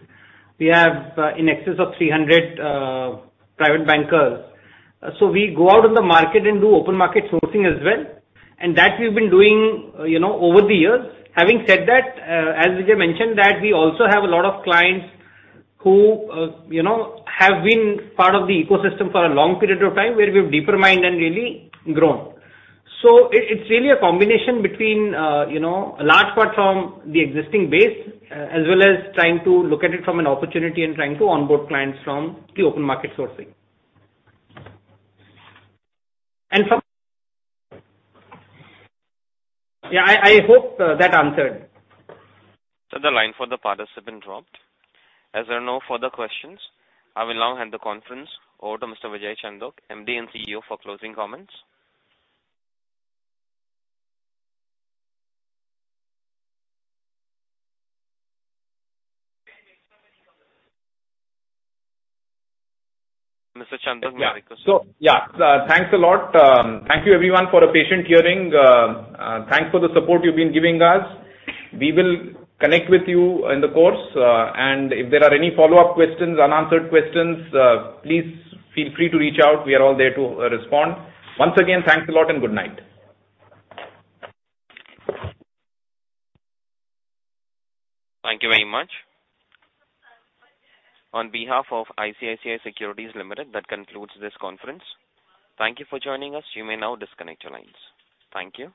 We have in excess of 300 private bankers. We go out in the market and do open market sourcing as well, and that we've been doing, you know, over the years. Having said that, as Vijay mentioned, that we also have a lot of clients who, you know, have been part of the ecosystem for a long period of time, where we've deeper mined and really grown. It's really a combination between, you know, a large part from the existing base, as well as trying to look at it from an opportunity and trying to onboard clients from the open market sourcing. Yeah, I hope that answered. The line for the participant dropped. As there are no further questions, I will now hand the conference over to Mr. Vijay Chandok, MD and CEO, for closing comments. Mr. Chandok- Yeah. You may proceed. Thanks a lot. Thank you everyone for a patient hearing. Thanks for the support you've been giving us. We will connect with you in due course. If there are any follow-up questions, unanswered questions, please feel free to reach out. We are all there to respond. Once again, thanks a lot and good night. Thank you very much. On behalf of ICICI Securities Limited, that concludes this conference. Thank you for joining us. You may now disconnect your lines. Thank you.